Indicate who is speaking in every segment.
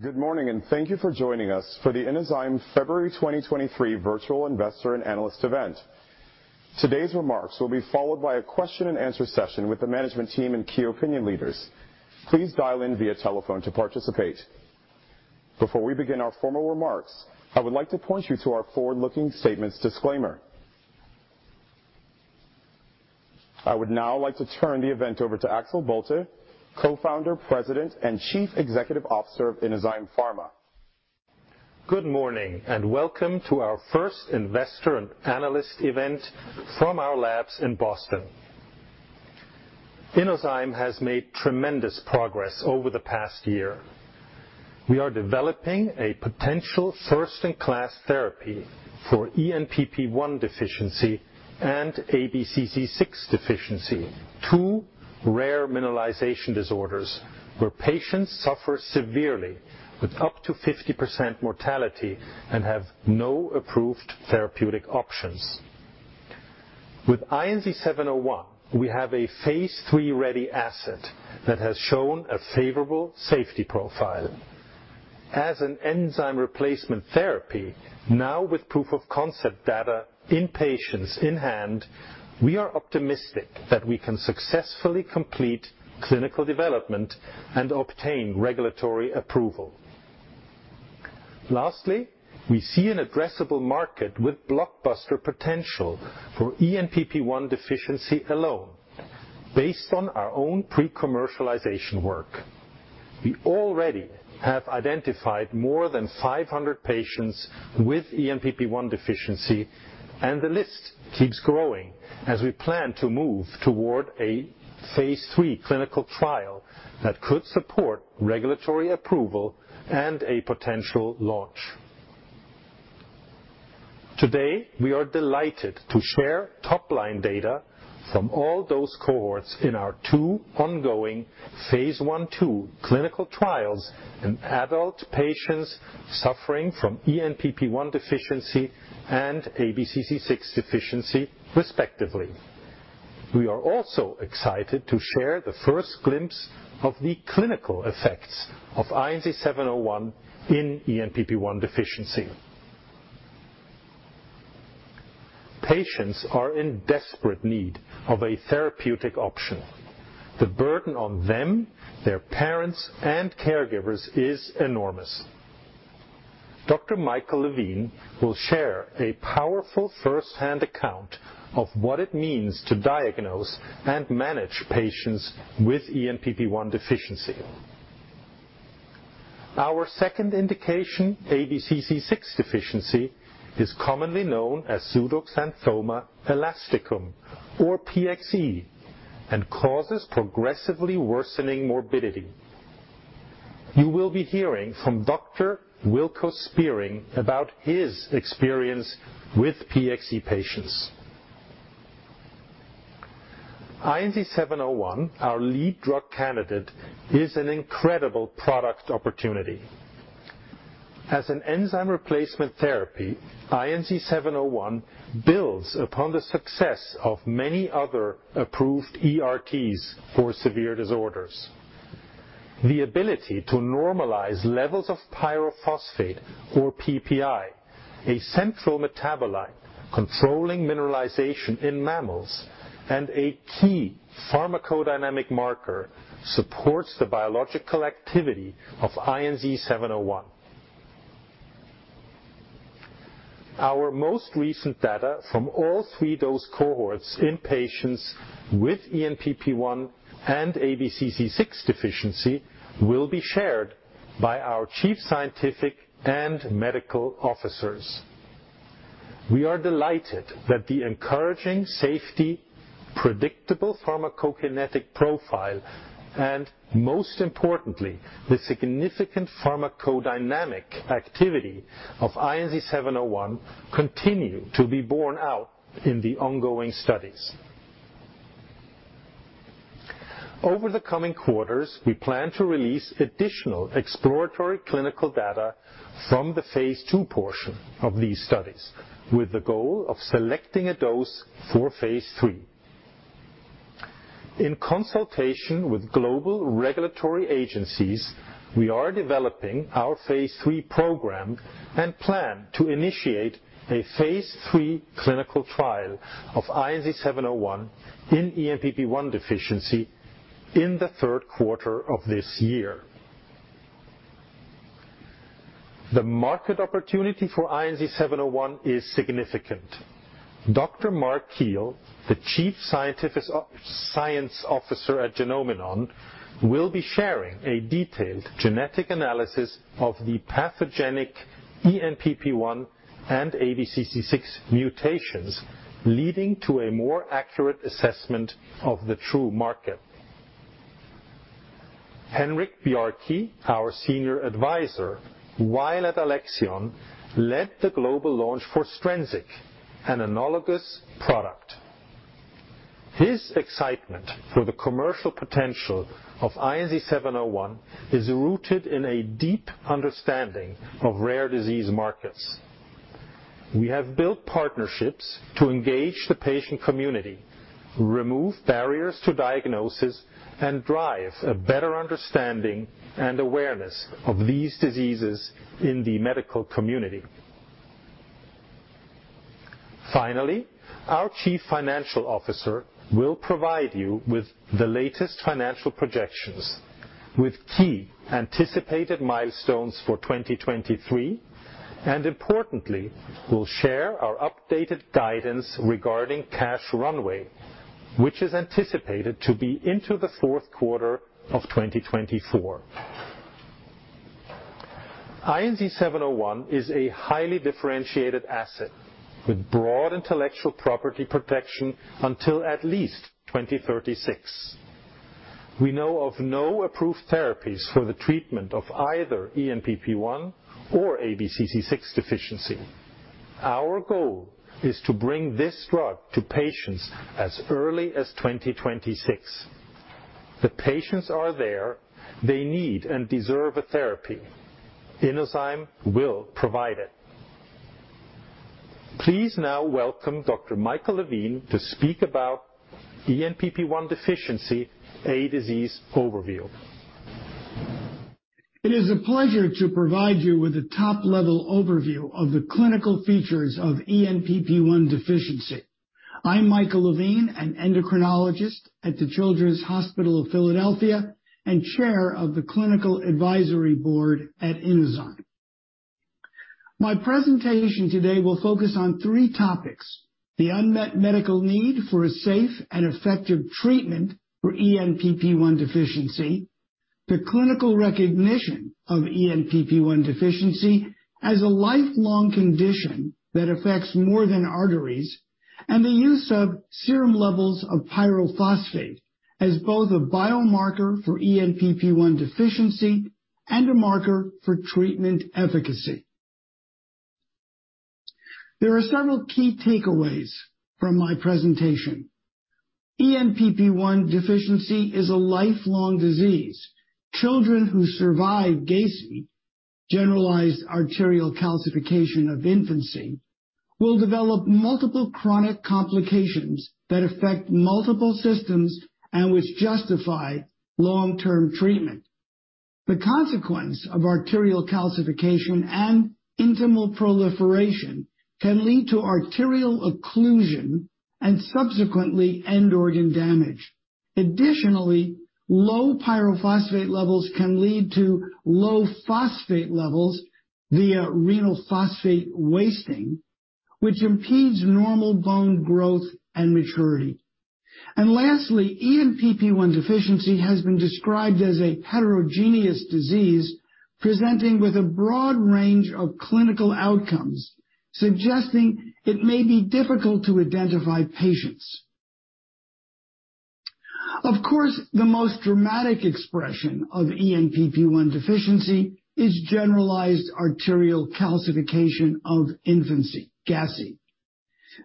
Speaker 1: Good morning, thank you for joining us for the Inozyme February 2023 Virtual Investor and Analyst Event. Today's remarks will be followed by a question and answer session with the management team and key opinion leaders. Please dial in via telephone to participate. Before we begin our formal remarks, I would like to point you to our forward-looking statements disclaimer. I would now like to turn the event over to Axel Bolte, Co-founder, President, and Chief Executive Officer of Inozyme Pharma.
Speaker 2: Good morning, welcome to our First Investor and analyst event from our labs in Boston. Inozyme has made tremendous progress over the past year. We are developing a potential first-in-class therapy for ENPP1 deficiency and ABCC6 deficiency, two rare mineralization disorders where patients suffer severely with up to 50% mortality and have no approved therapeutic options. With INZ-701, we have a phase III-ready asset that has shown a favorable safety profile. As an enzyme replacement therapy, now with proof of concept data in patients in hand, we are optimistic that we can successfully complete clinical development and obtain regulatory approval. Lastly, we see an addressable market with blockbuster potential for ENPP1 deficiency alone based on our own pre-commercialization work. We already have identified more than 500 patients with ENPP1 deficiency, and the list keeps growing as we plan to move toward a phase III clinical trial that could support regulatory approval and a potential launch. Today, we are delighted to share top-line data from all those cohorts in our two ongoing phase I-II clinical trials in adult patients suffering from ENPP1 deficiency and ABCC6 deficiency, respectively. We are also excited to share the first glimpse of the clinical effects of INZ-701 in ENPP1 deficiency. Patients are in desperate need of a therapeutic option. The burden on them, their parents, and caregivers is enormous. Dr. Michael Levine will share a powerful first-hand account of what it means to diagnose and manage patients with ENPP1 deficiency. Our second indication, ABCC6 deficiency, is commonly known as pseudoxanthoma elasticum, or PXE, and causes progressively worsening morbidity. You will be hearing from Dr. Wilco Spiering about his experience with PXE patients. INZ-701, our lead drug candidate, is an incredible product opportunity. As an enzyme replacement therapy, INZ-701 builds upon the success of many other approved ERTs for severe disorders. The ability to normalize levels of pyrophosphate or PPI, a central metabolite controlling mineralization in mammals and a key pharmacodynamic marker, supports the biological activity of INZ-701. Our most recent data from all three dose cohorts in patients with ENPP1 and ABCC6 deficiency will be shared by our Chief Scientific and Medical Officers. We are delighted that the encouraging safety, predictable pharmacokinetic profile, and most importantly, the significant pharmacodynamic activity of INZ-701 continue to be borne out in the ongoing studies. Over the coming quarters, we plan to release additional exploratory clinical data from the phase II portion of these studies with the goal of selecting a dose for phase III. In consultation with global regulatory agencies, we are developing our phase III program and plan to initiate a phase III clinical trial of INZ-701 in ENPP1 deficiency in the third quarter of this year. The market opportunity for INZ-701 is significant. Dr. Mark Kiel, the Chief Scientific Officer at Genomenon, will be sharing a detailed genetic analysis of the pathogenic ENPP1 and ABCC6 mutations, leading to a more accurate assessment of the true market. Henric Bjarke, our Senior Advisor, while at Alexion, led the global launch for Strensiq, an analogous product. His excitement for the commercial potential of INZ-701 is rooted in a deep understanding of rare disease markets. We have built partnerships to engage the patient community, remove barriers to diagnosis, and drive a better understanding and awareness of these diseases in the medical community. Finally, our chief financial officer will provide you with the latest financial projections with key anticipated milestones for 2023. Importantly, we'll share our updated guidance regarding cash runway, which is anticipated to be into the fourth quarter of 2024. INZ-701 is a highly differentiated asset with broad intellectual property protection until at least 2036. We know of no approved therapies for the treatment of either ENPP1 or ABCC6 deficiency. Our goal is to bring this drug to patients as early as 2026. The patients are there. They need and deserve a therapy. Inozyme will provide it. Please now welcome Dr. Michael Levine to speak about ENPP1 deficiency, A Disease Overview.
Speaker 3: It is a pleasure to provide you with a top-level overview of the clinical features of ENPP1 deficiency. I'm Michael Levine, an endocrinologist at the Children's Hospital of Philadelphia and chair of the Clinical Advisory Board at Inozyme. My presentation today will focus on three topics: the unmet medical need for a safe and effective treatment for ENPP1 deficiency, the clinical recognition of ENPP1 deficiency as a lifelong condition that affects more than arteries, and the use of serum levels of pyrophosphate as both a biomarker for ENPP1 deficiency and a marker for treatment efficacy. There are several key takeaways from my presentation. ENPP1 deficiency is a lifelong disease. Children who survive GACI, generalized arterial calcification of infancy, will develop multiple chronic complications that affect multiple systems and which justify long-term treatment. The consequence of arterial calcification and intimal proliferation can lead to arterial occlusion and subsequently end-organ damage. Additionally, low pyrophosphate levels can lead to low phosphate levels via renal phosphate wasting, which impedes normal bone growth and maturity. Lastly, ENPP1 deficiency has been described as a heterogeneous disease presenting with a broad range of clinical outcomes, suggesting it may be difficult to identify patients. Of course, the most dramatic expression of ENPP1 deficiency is Generalized Arterial Calcification of Infancy, GACI.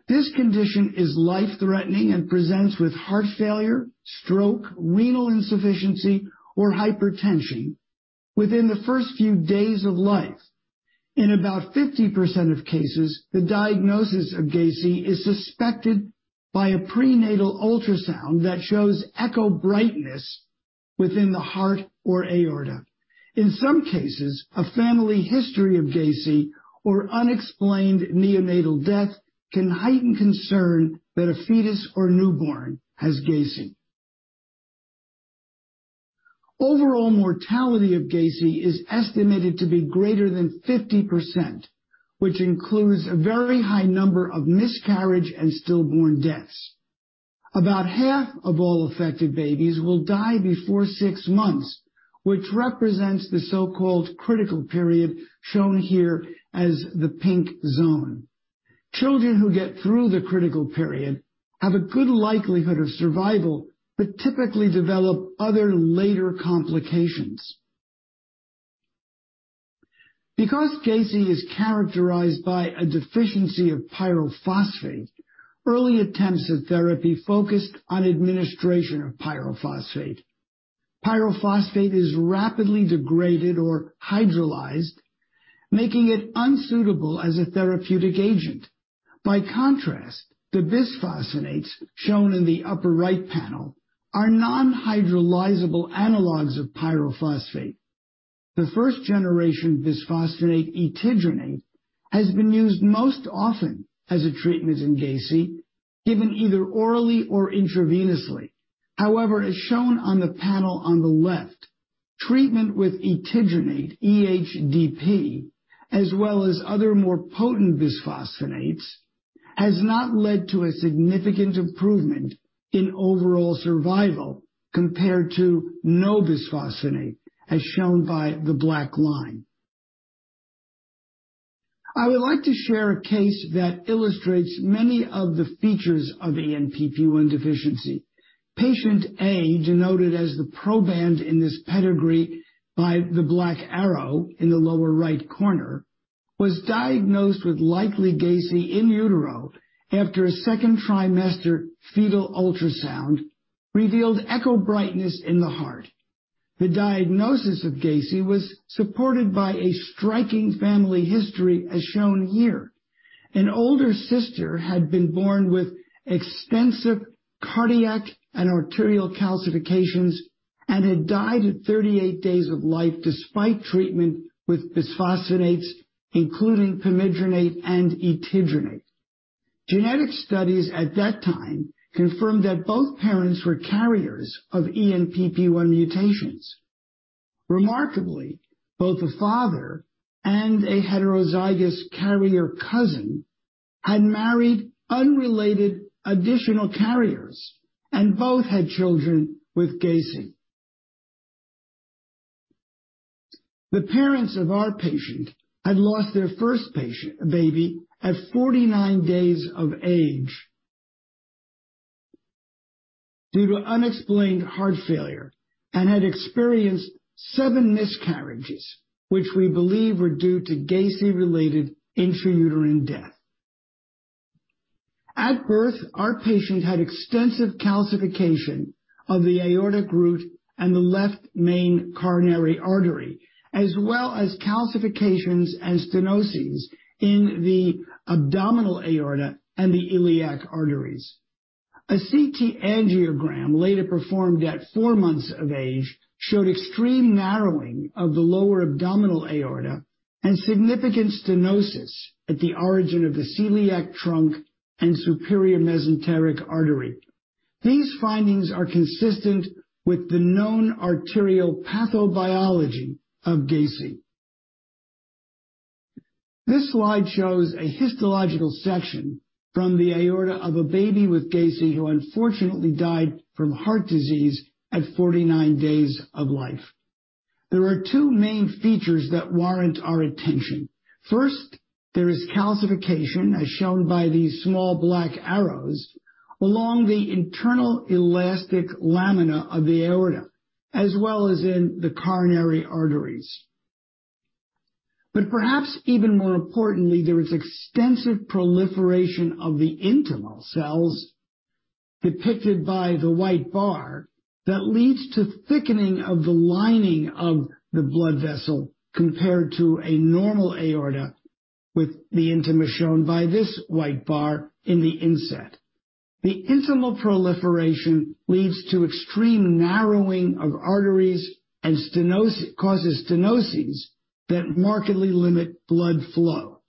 Speaker 3: This condition is life-threatening and presents with heart failure, stroke, renal insufficiency, or hypertension within the first few days of life. In about 50% of cases, the diagnosis of GACI is suspected by a prenatal ultrasound that shows echo brightness within the heart or aorta. In some cases, a family history of GACI or unexplained neonatal death can heighten concern that a fetus or newborn has GACI. Overall mortality of GACI is estimated to be greater than 50%, which includes a very high number of miscarriage and stillborn deaths. About half of all affected babies will die before six months, which represents the so-called critical period shown here as the pink zone. Children who get through the critical period have a good likelihood of survival, but typically develop other later complications. Because GACI is characterized by a deficiency of pyrophosphate, early attempts at therapy focused on administration of pyrophosphate. Pyrophosphate is rapidly degraded or hydrolyzed, making it unsuitable as a therapeutic agent. By contrast, the bisphosphonates shown in the upper right panel are non-hydrolyzable analogs of pyrophosphate. The first generation bisphosphonate, etidronate, has been used most often as a treatment in GACI, given either orally or intravenously. However, as shown on the panel on the left, treatment with etidronate, EHDP, as well as other more potent bisphosphonates, has not led to a significant improvement in overall survival compared to no bisphosphonate, as shown by the black line. I would like to share a case that illustrates many of the features of ENPP1 deficiency. Patient A, denoted as the proband in this pedigree by the black arrow in the lower right corner, was diagnosed with likely GACI in utero after a second trimester fetal ultrasound revealed echo brightness in the heart. The diagnosis of GACI was supported by a striking family history, as shown here. An older sister had been born with extensive cardiac and arterial calcifications and had died at 38 days of life despite treatment with bisphosphonates, including pamidronate and etidronate. Genetic studies at that time confirmed that both parents were carriers of ENPP1 mutations. Remarkably, both the father and a heterozygous carrier cousin had married unrelated additional carriers, and both had children with GACI. The parents of our patient had lost their first baby at 49 days of age due to unexplained heart failure and had experienced seven miscarriages, which we believe were due to GACI-related intrauterine death. At birth, our patient had extensive calcification of the aortic root and the left main coronary artery, as well as calcifications and stenoses in the abdominal aorta and the iliac arteries. A CT angiogram later performed at four months of age showed extreme narrowing of the lower abdominal aorta and significant stenosis at the origin of the celiac trunk and superior mesenteric artery. These findings are consistent with the known arterial pathobiology of GACI. This slide shows a histological section from the aorta of a baby with GACI who unfortunately died from heart disease at 49 days of life. There are two main features that warrant our attention. First, there is calcification, as shown by these small black arrows along the internal elastic lamina of the aorta, as well as in the coronary arteries. Perhaps even more importantly, there is extensive proliferation of the intimal cells depicted by the white bar that leads to thickening of the lining of the blood vessel compared to a normal aorta with the intima shown by this white bar in the inset. The intimal proliferation leads to extreme narrowing of arteries and causes stenoses that markedly limit blood flow.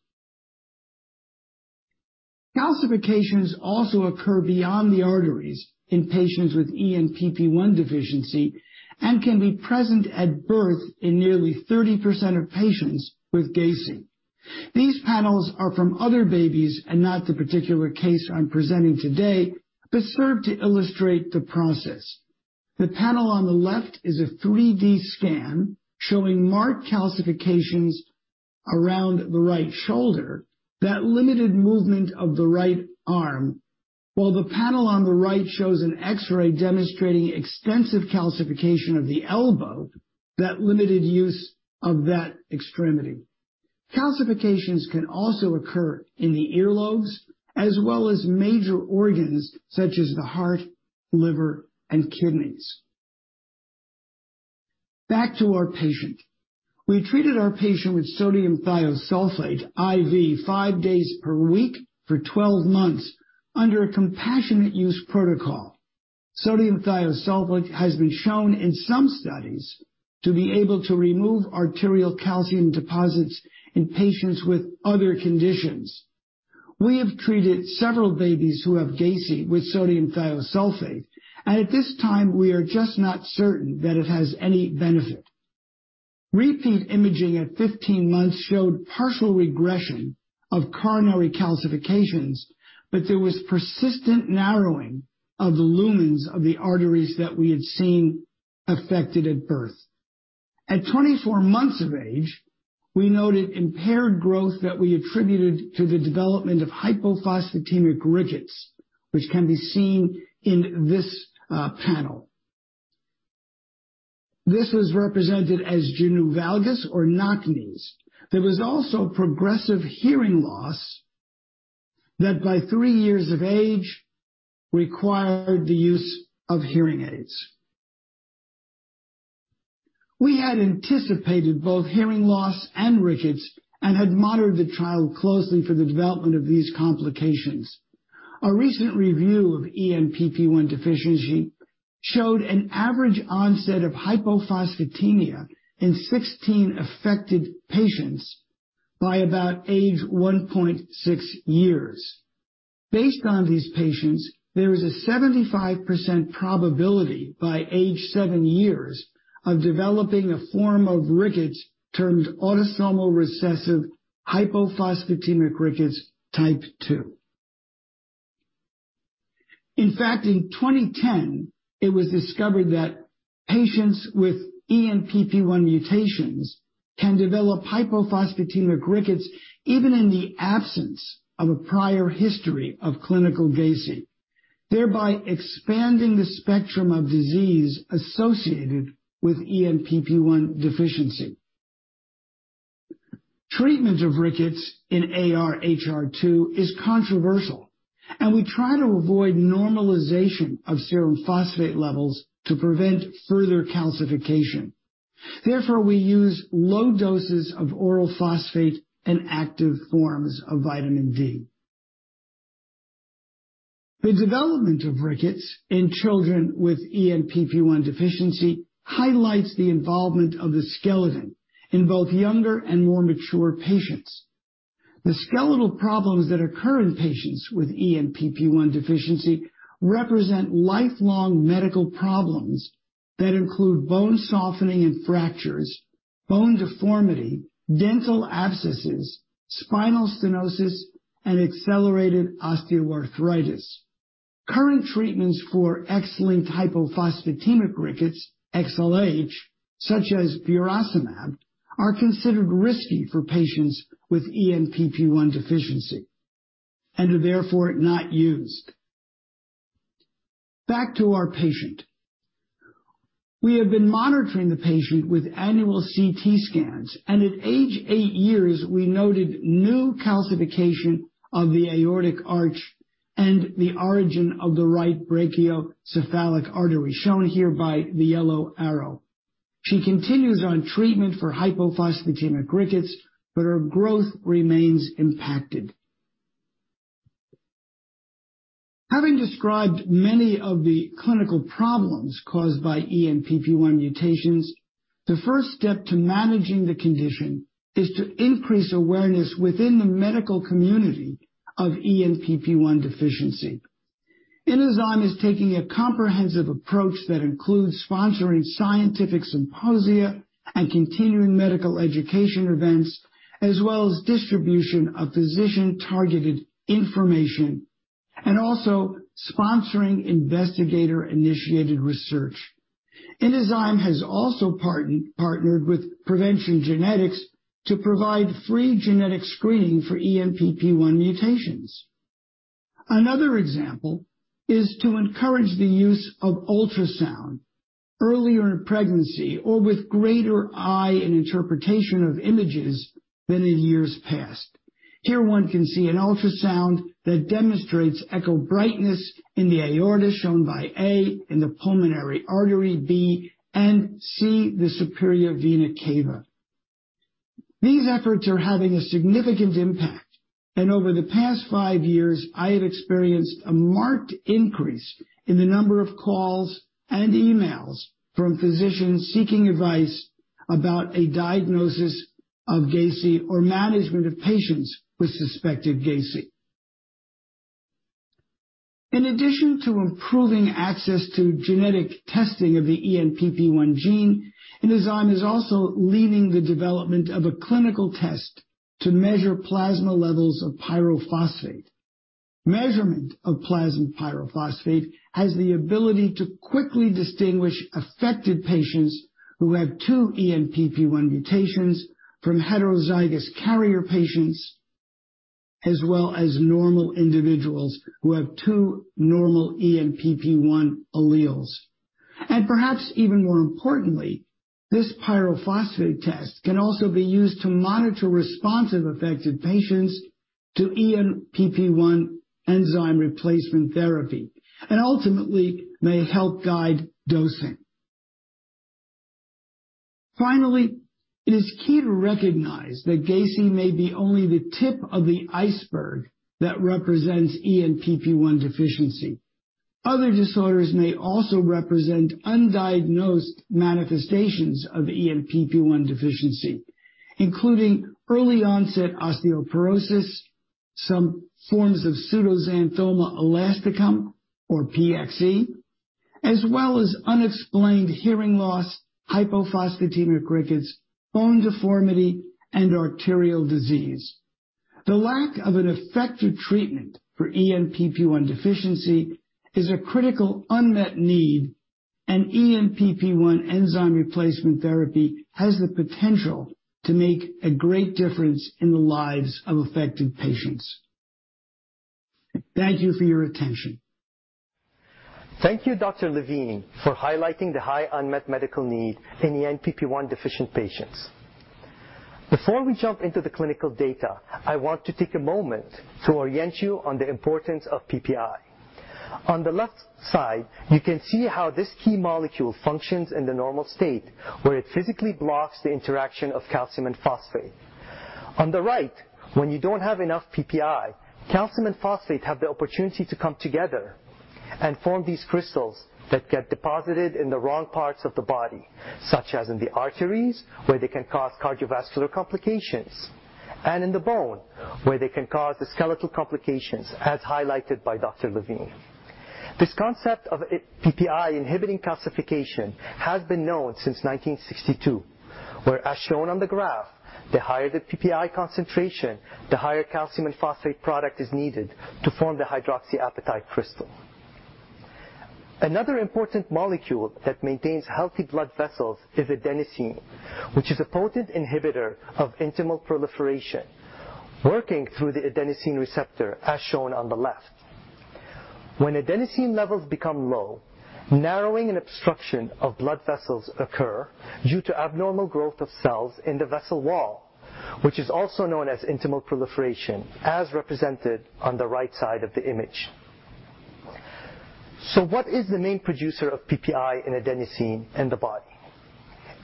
Speaker 3: Calcifications also occur beyond the arteries in patients with ENPP1 deficiency and can be present at birth in nearly 30% of patients with GACI. These panels are from other babies and not the particular case I'm presenting today, but serve to illustrate the process. The panel on the left is a 3D scan showing marked calcifications around the right shoulder that limited movement of the right arm, while the panel on the right shows an X-ray demonstrating extensive calcification of the elbow that limited use of that extremity. Calcifications can also occur in the earlobes as well as major organs such as the heart, liver, and kidneys. Back to our patient. We treated our patient with sodium thiosulfate IV five days per week for 12 months under a compassionate use protocol. Sodium thiosulfate has been shown in some studies to be able to remove arterial calcium deposits in patients with other conditions. We have treated several babies who have GACI with sodium thiosulfate, and at this time we are just not certain that it has any benefit. Repeat imaging at 15 months showed partial regression of coronary calcifications, but there was persistent narrowing of the lumens of the arteries that we had seen affected at birth. At 24 months of age, we noted impaired growth that we attributed to the development of hypophosphatemic rickets, which can be seen in this panel. This was represented as genu valgum or knock knees. There was also progressive hearing loss that by three years of age required the use of hearing aids. We had anticipated both hearing loss and rickets and had monitored the child closely for the development of these complications. A recent review of ENPP1 deficiency showed an average onset of hypophosphatemia in 16 affected patients by about age 1.6 years. Based on these patients, there is a 75% probability by age seven years of developing a form of rickets termed autosomal recessive Hypophosphatemic Rickets type 2 In fact, in 2010, it was discovered that patients with ENPP1 mutations can develop Hypophosphatemic Rickets even in the absence of a prior history of clinical GACI, thereby expanding the spectrum of disease associated with ENPP1 deficiency. Treatment of rickets in ARHR2 is controversial, and we try to avoid normalization of serum phosphate levels to prevent further calcification. Therefore, we use low doses of oral phosphate and active forms of Vitamin D. The development of rickets in children with ENPP1 deficiency highlights the involvement of the skeleton in both younger and more mature patients. The skeletal problems that occur in patients with ENPP1 deficiency represent lifelong medical problems that include bone softening and fractures, bone deformity, dental abscesses, spinal stenosis, and accelerated osteoarthritis. Current treatments for X-linked hypophosphatemic rickets, XLH, such as burosumab, are considered risky for patients with ENPP1 deficiency and are therefore not used. Back to our patient. We have been monitoring the patient with annual CT scans, and at age eight years, we noted new calcification of the aortic arch and the origin of the right brachiocephalic artery, shown here by the yellow arrow. She continues on treatment for hypophosphatemic rickets. Her growth remains impacted. Having described many of the clinical problems caused by ENPP1 mutations, the first step to managing the condition is to increase awareness within the medical community of ENPP1 deficiency. Inozyme is taking a comprehensive approach that includes sponsoring scientific symposia and continuing medical education events, as well as distribution of physician-targeted information. Also sponsoring investigator-initiated research. Inozyme has also partnered with Prevention Genetics to provide free genetic screening for ENPP1 mutations. Another example is to encourage the use of ultrasound earlier in pregnancy or with greater eye and interpretation of images than in years past. Here one can see an ultrasound that demonstrates echo brightness in the aorta, shown by A, in the pulmonary artery, B, and C, the superior vena cava. These efforts are having a significant impact. Over the past five years, I have experienced a marked increase in the number of calls and emails from physicians seeking advice about a diagnosis of GACI or management of patients with suspected GACI. In addition to improving access to genetic testing of the ENPP1 gene, Inozyme is also leading the development of a clinical test to measure plasma levels of pyrophosphate. Measurement of plasma pyrophosphate has the ability to quickly distinguish affected patients who have two ENPP1 mutations from heterozygous carrier patients, as well as normal individuals who have two normal ENPP1 alleles. Perhaps even more importantly, this pyrophosphate test can also be used to monitor responsive affected patients to ENPP1 enzyme replacement therapy and ultimately may help guide dosing. It is key to recognize that GACI may be only the tip of the iceberg that represents ENPP1 deficiency. Other disorders may also represent undiagnosed manifestations of ENPP1 deficiency, including early-onset osteoporosis, some forms of pseudoxanthoma elasticum, or PXE, as well as unexplained hearing loss, hypophosphatemic rickets, bone deformity, and arterial disease. The lack of an effective treatment for ENPP1 deficiency is a critical unmet need, and ENPP1 enzyme replacement therapy has the potential to make a great difference in the lives of affected patients. Thank you for your attention.
Speaker 4: Thank you, Dr. Levine, for highlighting the high unmet medical need in ENPP1 deficient patients. Before we jump into the clinical data, I want to take a moment to orient you on the importance of PPI. On the left side, you can see how this key molecule functions in the normal state, where it physically blocks the interaction of calcium and phosphate. On the right, when you don't have enough PPI, calcium and phosphate have the opportunity to come together and form these crystals that get deposited in the wrong parts of the body, such as in the arteries, where they can cause cardiovascular complications, and in the bone, where they can cause the skeletal complications as highlighted by Dr. Levine. This concept of a PPI inhibiting calcification has been known since 1962, where as shown on the graph, the higher the PPI concentration, the higher calcium and phosphate product is needed to form the hydroxyapatite crystal. Another important molecule that maintains healthy blood vessels is adenosine, which is a potent inhibitor of intimal proliferation, working through the adenosine receptor as shown on the left. When adenosine levels become low, narrowing and obstruction of blood vessels occur due to abnormal growth of cells in the vessel wall, which is also known as intimal proliferation, as represented on the right side of the image. What is the main producer of PPI and adenosine in the body?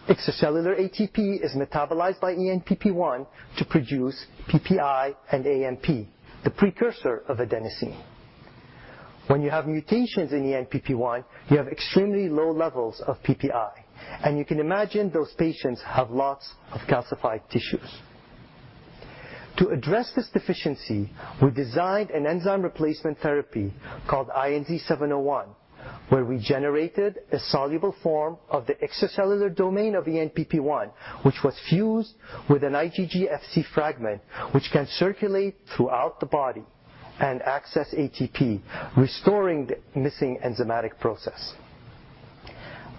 Speaker 4: Extracellular ATP is metabolized by ENPP1 to produce PPI and AMP, the precursor of adenosine. When you have mutations in ENPP1, you have extremely low levels of PPI, and you can imagine those patients have lots of calcified tissues. To address this deficiency, we designed an enzyme replacement therapy called INZ-701, where we generated a soluble form of the extracellular domain of ENPP1, which was fused with an IgG Fc fragment, which can circulate throughout the body and access ATP, restoring the missing enzymatic process.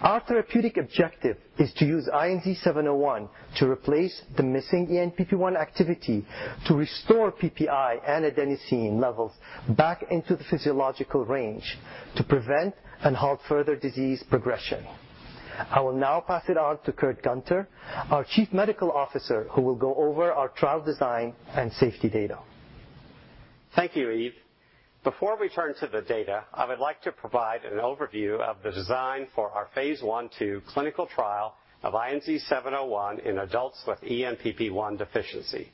Speaker 4: Our therapeutic objective is to use INZ-701 to replace the missing ENPP1 activity to restore PPI and adenosine levels back into the physiological range to prevent and halt further disease progression. I will now pass it on to Kurt Gunter, our Chief Medical Officer, who will go over our trial design and safety data.
Speaker 5: Thank you, y. Before we turn to the data, I would like to provide an overview of the design for our phase I-II clinical trial of INZ-701 in adults with ENPP1 deficiency.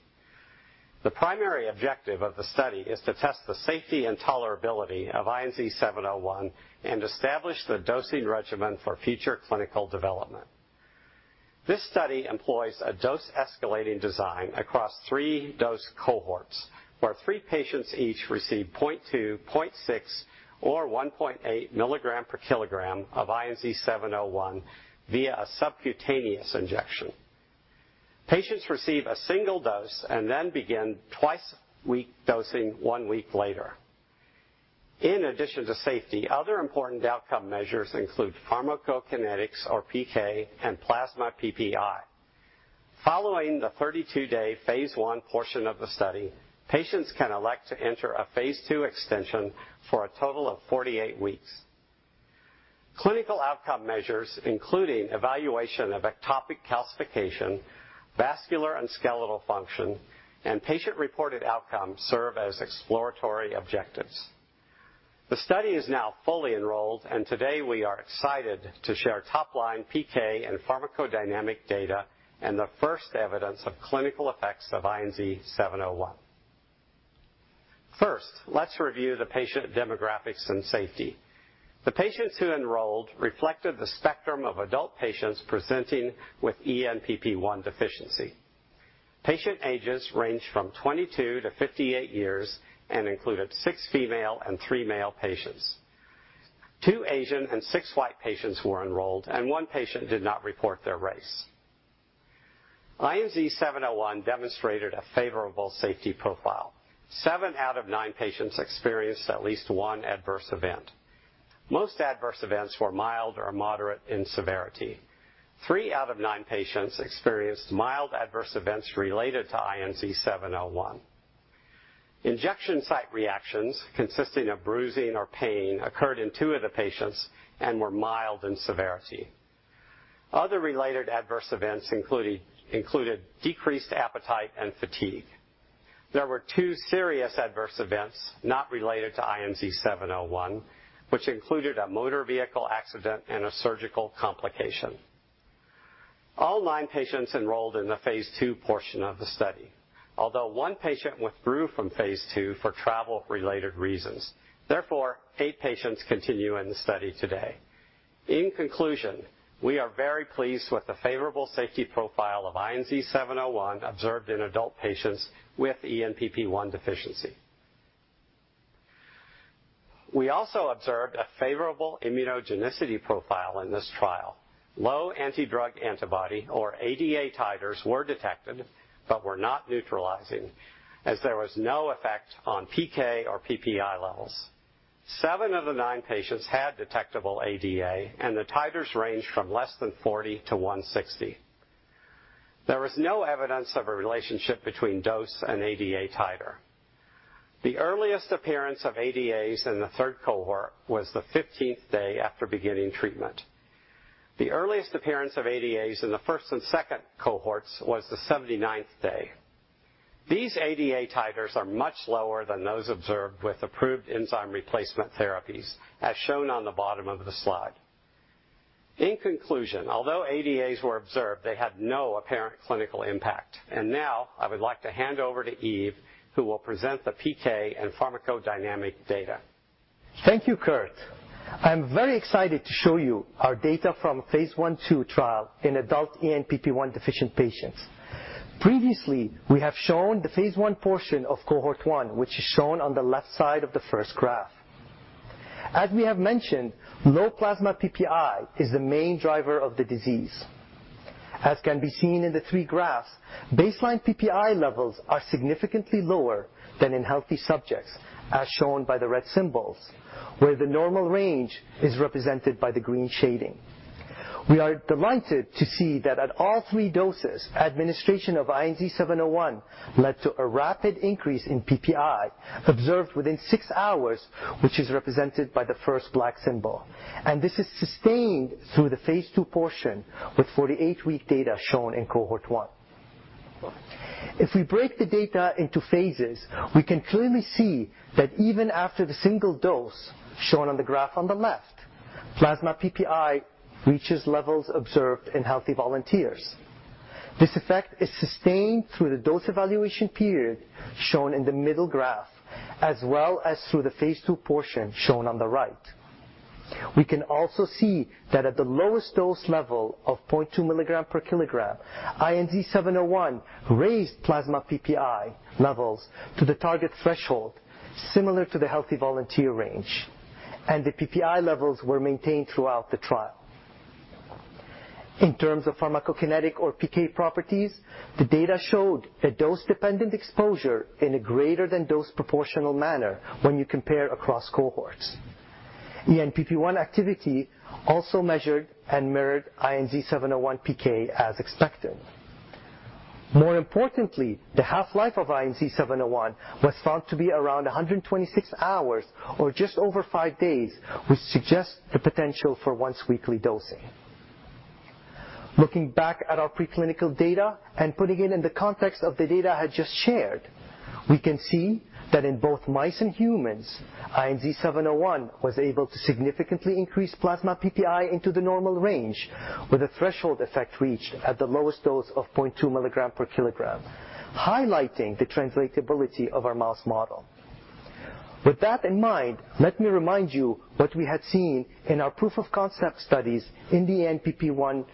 Speaker 5: The primary objective of the study is to test the safety and tolerability of INZ-701 and establish the dosing regimen for future clinical development. This study employs a dose-escalating design across three dose cohorts, where three patients each receive 0.2, 0.6, or 1.8 mg/kg of INZ-701 via a subcutaneous injection. Patients receive a single dose and then begin twice-a-week dosing one week later. In addition to safety, other important outcome measures include pharmacokinetics or PK and plasma PPI. Following the 32-day phase I portion of the study, patients can elect to enter a phase II extension for a total of 48 weeks. Clinical outcome measures, including evaluation of ectopic calcification, vascular and skeletal function, and patient-reported outcomes serve as exploratory objectives. Today we are excited to share top-line PK and pharmacodynamic data and the first evidence of clinical effects of INZ-701. First, let's review the patient demographics and safety. The patients who enrolled reflected the spectrum of adult patients presenting with ENPP1 deficiency. Patient ages ranged from 22 to 58 years and included six female and three male patients. Two Asian and 6 white patients were enrolled, and one patient did not report their race. INZ-701 demonstrated a favorable safety profile. seven out of nine patients experienced at least one adverse event. Most adverse events were mild or moderate in severity. three out of nine patients experienced mild adverse events related to INZ-701. Injection site reactions consisting of bruising or pain occurred in two of the patients and were mild in severity. Other related adverse events included decreased appetite and fatigue. There were two serious adverse events not related to INZ-701, which included a motor vehicle accident and a surgical complication. All nine patients enrolled in the phase II portion of the study. One patient withdrew from phase II for travel-related reasons, therefore, eight patients continue in the study today. In conclusion, we are very pleased with the favorable safety profile of INZ-701 observed in adult patients with ENPP1 deficiency. We also observed a favorable immunogenicity profile in this trial. Low anti-drug antibody or ADA titers were detected but were not neutralizing as there was no effect on PK or PPI levels. Seven of the nine patients had detectable ADA, and the titers ranged from less than 40 to 160. There was no evidence of a relationship between dose and ADA titer. The earliest appearance of ADAs in the third cohort was the fifteenth day after beginning treatment. The earliest appearance of ADAs in the first and second cohorts was the seventy-ninth day. These ADA titers are much lower than those observed with approved enzyme replacement therapies, as shown on the bottom of the slide. In conclusion, although ADAs were observed, they had no apparent clinical impact. Now I would like to hand over to Yves, who will present the PK and pharmacodynamic data.
Speaker 4: Thank you, Kurt. I'm very excited to show you our data from phase I-II trial in adult ENPP1 deficient patients. Previously, we have shown the phase I portion of cohort one, which is shown on the left side of the first graph. As we have mentioned, low plasma PPI is the main driver of the disease. As can be seen in the III graphs, baseline PPI levels are significantly lower than in healthy subjects, as shown by the red symbols, where the normal range is represented by the green shading. We are delighted to see that at all 3 doses, administration of INZ-701 led to a rapid increase in PPI observed within 6 hours, which is represented by the first black symbol. This is sustained through the phase II portion with 48-week data shown in cohort I. If we break the data into phases, we can clearly see that even after the single dose shown on the graph on the left, plasma PPI reaches levels observed in healthy volunteers. This effect is sustained through the dose evaluation period shown in the middle graph, as well as through the phase II portion shown on the right. We can also see that at the lowest dose level of 0.2 mg/kg, INZ-701 raised plasma PPI levels to the target threshold, similar to the healthy volunteer range, and the PPI levels were maintained throughout the trial. In terms of pharmacokinetic or PK properties, the data showed a dose-dependent exposure in a greater than dose proportional manner when you compare across cohorts. ENPP1 activity also measured and mirrored INZ-701 PK as expected. The half-life of INZ-701 was found to be around 126 hours or just over five days, which suggests the potential for once weekly dosing. Looking back at our preclinical data and putting it in the context of the data I just shared, we can see that in both mice and humans, INZ-701 was able to significantly increase plasma PPI into the normal range with a threshold effect reached at the lowest dose of 0.2 mg/kg, highlighting the translatability of our mouse model. With that in mind, let me remind you what we had seen in our proof of concept studies in the ENPP1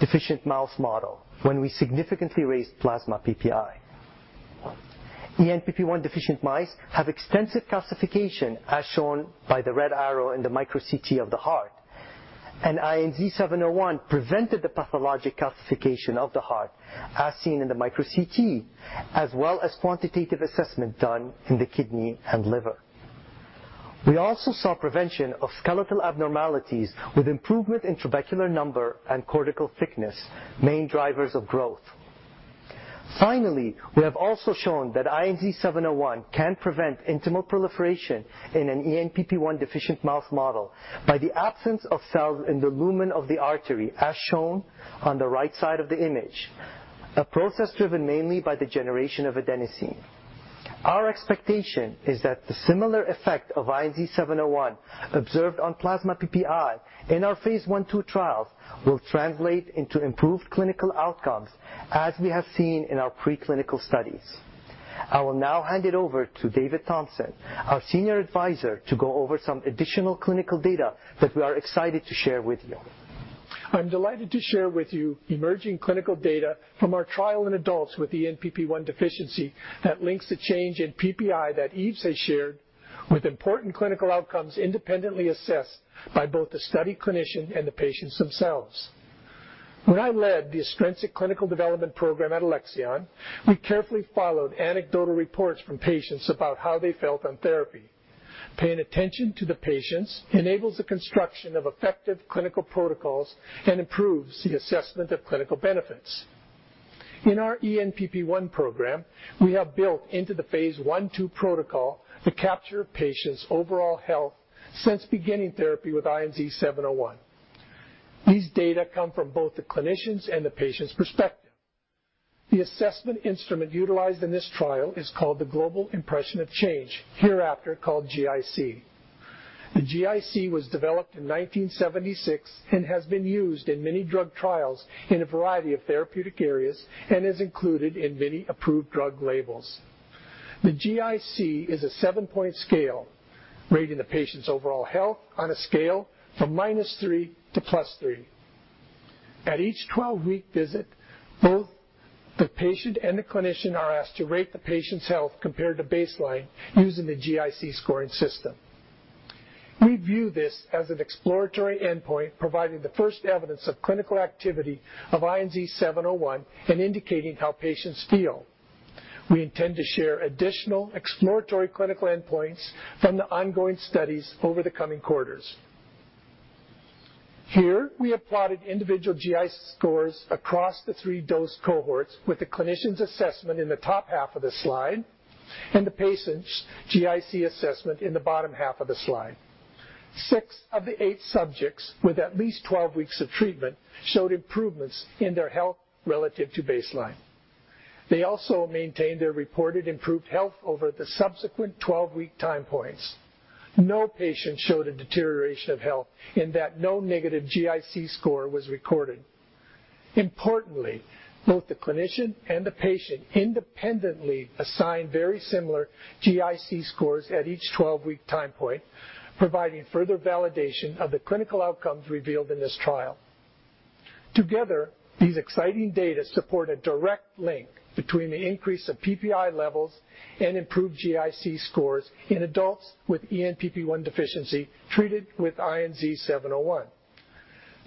Speaker 4: deficient mouse model when we significantly raised plasma PPI. ENPP1 deficient mice have extensive calcification, as shown by the red arrow in the micro-CT of the heart. INZ-701 prevented the pathologic calcification of the heart, as seen in the micro-CT, as well as quantitative assessment done in the kidney and liver. We also saw prevention of skeletal abnormalities with improvement in trabecular number and cortical thickness, main drivers of growth. Finally, we have also shown that INZ-701 can prevent intimal proliferation in an ENPP1 deficient mouse model by the absence of cells in the lumen of the artery, as shown on the right side of the image, a process driven mainly by the generation of adenosine. Our expectation is that the similar effect of INZ-701 observed on plasma PPI in our phase I-II trials will translate into improved clinical outcomes as we have seen in our preclinical studies. I will now hand it over to David Thompson, our senior advisor, to go over some additional clinical data that we are excited to share with you.
Speaker 6: I'm delighted to share with you emerging clinical data from our trial in adults with ENPP1 deficiency that links the change in PPI that Yves has shared with important clinical outcomes independently assessed by both the study clinician and the patients themselves. When I led the Strensiq Clinical Development Program at Alexion, we carefully followed anecdotal reports from patients about how they felt on therapy. Paying attention to the patients enables the construction of effective clinical protocols and improves the assessment of clinical benefits. In our ENPP1 program, we have built into the phase I-II protocol the capture of patients' overall health since beginning therapy with INZ-701. These data come from both the clinicians and the patient's perspective. The assessment instrument utilized in this trial is called the Global Impression of Change, hereafter called GIC. The GIC was developed in 1976 and has been used in many drug trials in a variety of therapeutic areas and is included in many approved drug labels. The GIC is a 7-point scale, rating the patient's overall health on a scale from -3 to +3. At each 12-week visit, both the patient and the clinician are asked to rate the patient's health compared to baseline using the GIC scoring system. We view this as an exploratory endpoint, providing the first evidence of clinical activity of INZ-701 and indicating how patients feel. We intend to share additional exploratory clinical endpoints from the ongoing studies over the coming quarters. Here, we have plotted individual GIC scores across the 3 dose cohorts with the clinician's assessment in the top half of the slide and the patient's GIC assessment in the bottom half of the slide. Six of the eight subjects with at least 12 weeks of treatment showed improvements in their health relative to baseline. They also maintained their reported improved health over the subsequent 12-week time points. No patient showed a deterioration of health in that no negative GIC score was recorded. Importantly, both the clinician and the patient independently assigned very similar GIC scores at each 12-week time point, providing further validation of the clinical outcomes revealed in this trial. Together, these exciting data support a direct link between the increase of PPI levels and improved GIC scores in adults with ENPP1 deficiency treated with INZ-701.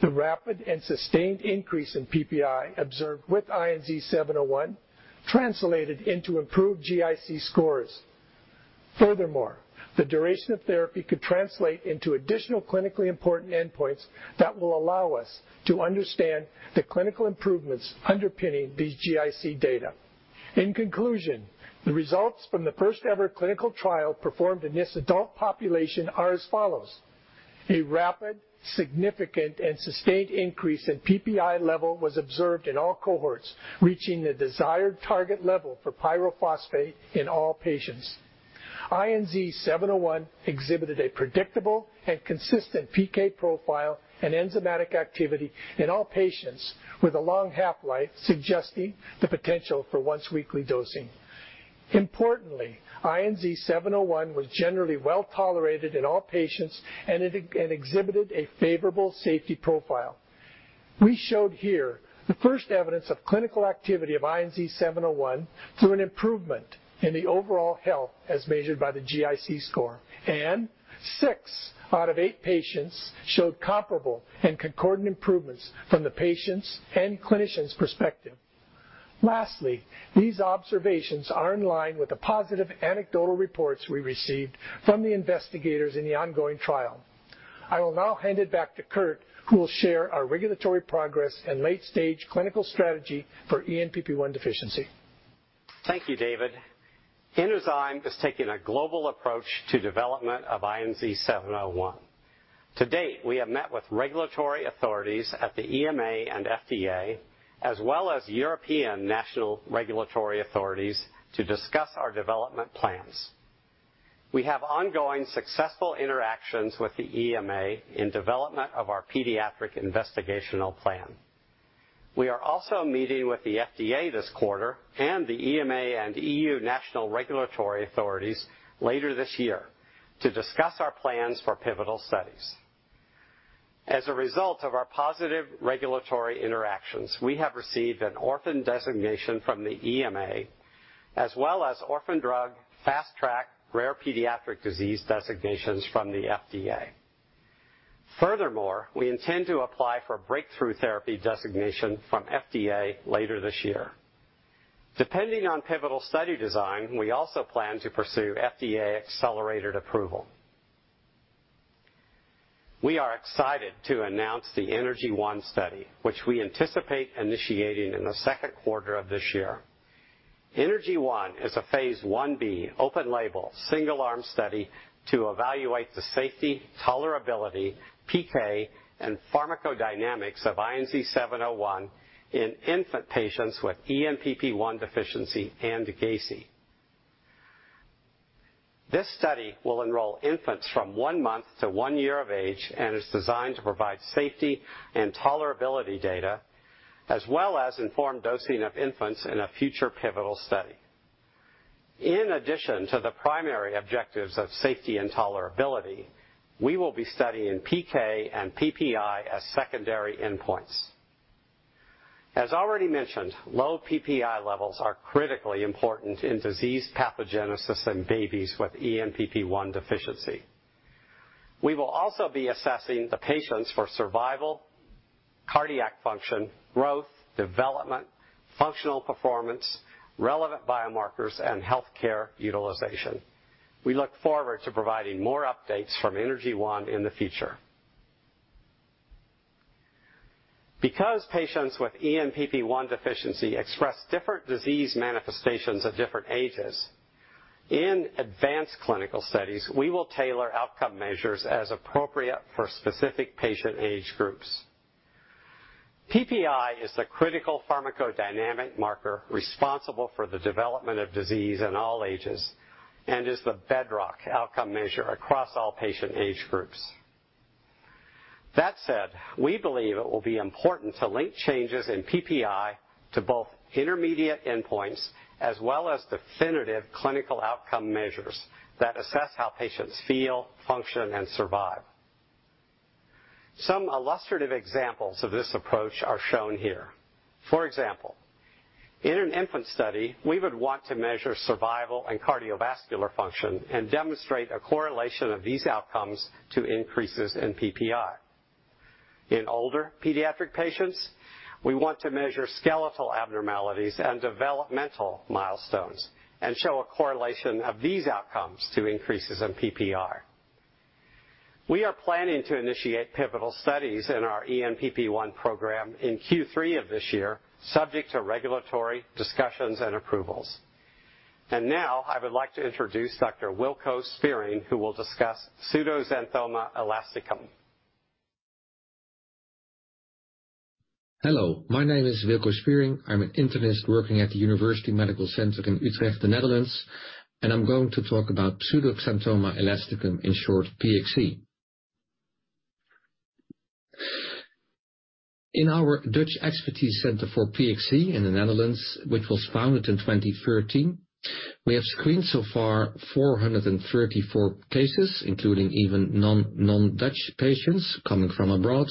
Speaker 6: The rapid and sustained increase in PPI observed with INZ-701 translated into improved GIC scores. Furthermore, the duration of therapy could translate into additional clinically important endpoints that will allow us to understand the clinical improvements underpinning these GIC data. In conclusion, the results from the 1st-ever clinical trial performed in this adult population are as follows: A rapid, significant, and sustained increase in PPI level was observed in all cohorts, reaching the desired target level for pyrophosphate in all patients. INZ-701 exhibited a predictable and consistent PK profile and enzymatic activity in all patients with a long half-life, suggesting the potential for once-weekly dosing. Importantly, INZ-701 was generally well-tolerated in all patients and exhibited a favorable safety profile. We showed here the first evidence of clinical activity of INZ-701 through an improvement in the overall health as measured by the GIC score. 6 out of 8 patients showed comparable and concordant improvements from the patient's and clinician's perspective. Lastly, these observations are in line with the positive anecdotal reports we received from the investigators in the ongoing trial. I will now hand it back to Kurt, who will share our regulatory progress and late-stage clinical strategy for ENPP1 deficiency.
Speaker 5: Thank you, David. Inozyme is taking a global approach to development of INZ-701. To date, we have met with regulatory authorities at the EMA and FDA, as well as European national regulatory authorities to discuss our development plans. We have ongoing successful interactions with the EMA in development of our pediatric investigational plan. We are also meeting with the FDA this quarter and the EMA and EU national regulatory authorities later this year to discuss our plans for pivotal studies. As a result of our positive regulatory interactions, we have received an Orphan Drug Designation from the EMA, as well as Orphan Drug, Fast Track, Rare Pediatric Disease designations from the FDA. Furthermore, we intend to apply for Breakthrough Therapy designation from FDA later this year. Depending on pivotal study design, we also plan to pursue FDA Accelerated Approval. We are excited to announce the ENERGY-1 study, which we anticipate initiating in the second quarter of this year. ENERGY-1 is a phase I-B open label single arm study to evaluate the safety, tolerability, PK, and pharmacodynamics of INZ-701 in infant patients with ENPP1 deficiency and GACI. This study will enroll infants from one month to one year of age and is designed to provide safety and tolerability data as well as informed dosing of infants in a future pivotal study. In addition to the primary objectives of safety and tolerability, we will be studying PK and PPI as secondary endpoints. As already mentioned, low PPI levels are critically important in disease pathogenesis in babies with ENPP1 deficiency. We will also be assessing the patients for survival, cardiac function, growth, development, functional performance, relevant biomarkers, and healthcare utilization. We look forward to providing more updates from ENERGY-1 in the future. Because patients with ENPP1 deficiency express different disease manifestations at different ages, in advanced clinical studies, we will tailor outcome measures as appropriate for specific patient age groups. PPI is the critical pharmacodynamic marker responsible for the development of disease in all ages and is the bedrock outcome measure across all patient age groups. That said, we believe it will be important to link changes in PPI to both intermediate endpoints as well as definitive clinical outcome measures that assess how patients feel, function, and survive. Some illustrative examples of this approach are shown here. For example, in an infant study, we would want to measure survival and cardiovascular function and demonstrate a correlation of these outcomes to increases in PPI. In older pediatric patients, we want to measure skeletal abnormalities and developmental milestones and show a correlation of these outcomes to increases in PPI. We are planning to initiate pivotal studies in our ENPP1 program in Q3 of this year, subject to regulatory discussions and approvals. Now I would like to introduce Dr. Wilko Spiering, who will discuss pseudoxanthoma elasticum.
Speaker 7: Hello, my name is Wilco Spiering. I'm an internist working at the University Medical Center Utrecht, the Netherlands. I'm going to talk about pseudoxanthoma elasticum, in short, PXE. In our Dutch expertise center for PXE in the Netherlands, which was founded in 2013, we have screened so far 434 cases, including even non-Dutch patients coming from abroad.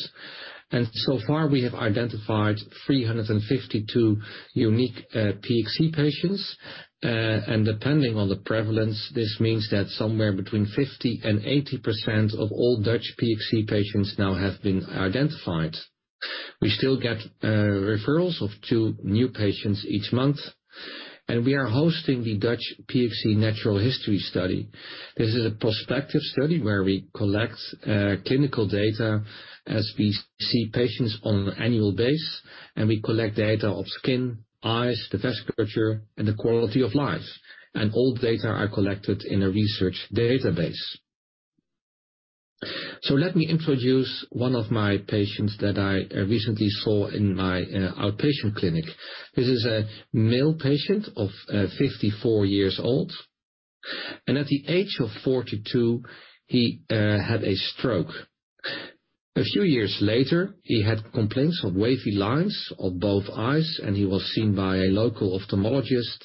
Speaker 7: So far, we have identified 352 unique PXE patients. Depending on the prevalence, this means that somewhere between 50% and 80% of all Dutch PXE patients now have been identified. We still get referrals of 2 new patients each month, and we are hosting the Dutch PXE Natural History Study. This is a prospective study where we collect clinical data as we see patients on annual base, and we collect data of skin, eyes, the vasculature, and the quality of life. All data are collected in a research database. Let me introduce one of my patients that I recently saw in my outpatient clinic. This is a male patient of 54 years old. At the age of 42, he had a stroke. A few years later, he had complaints of wavy lines on both eyes, and he was seen by a local ophthalmologist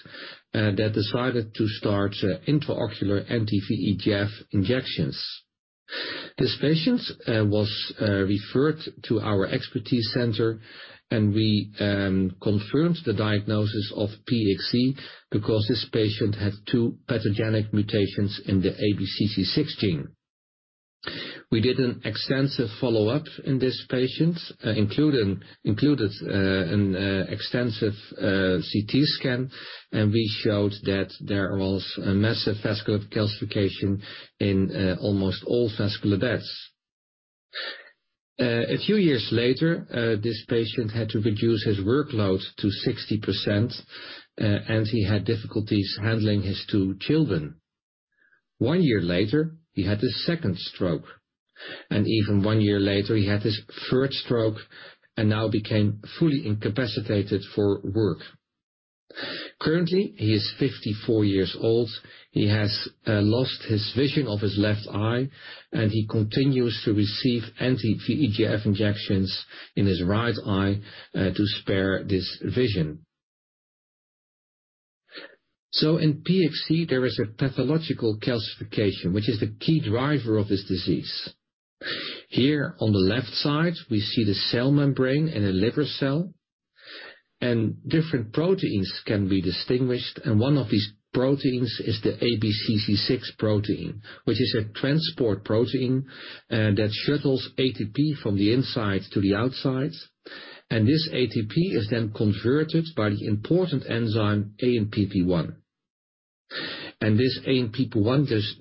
Speaker 7: that decided to start intraocular anti-VEGF injections. This patient was referred to our expertise center, and we confirmed the diagnosis of PXE because this patient had two pathogenic mutations in the ABCC6 gene. We did an extensive follow-up in this patient, including an extensive CT scan. We showed that there was a massive vascular calcification in almost all vascular beds. A few years later, this patient had to reduce his workload to 60%. He had difficulties handling his two children. One year later, he had a second stroke. Even one year later, he had his third stroke and now became fully incapacitated for work. Currently, he is 54 years old. He has lost his vision of his left eye. He continues to receive anti-VEGF injections in his right eye to spare this vision. In PHC, there is a pathological calcification, which is the key driver of this disease. Here on the left side, we see the cell membrane in a liver cell. Different proteins can be distinguished, and one of these proteins is the ABCC6 protein, which is a transport protein, that shuttles ATP from the inside to the outside. This ATP is then converted by the important enzyme ENPP1. This ENPP1 just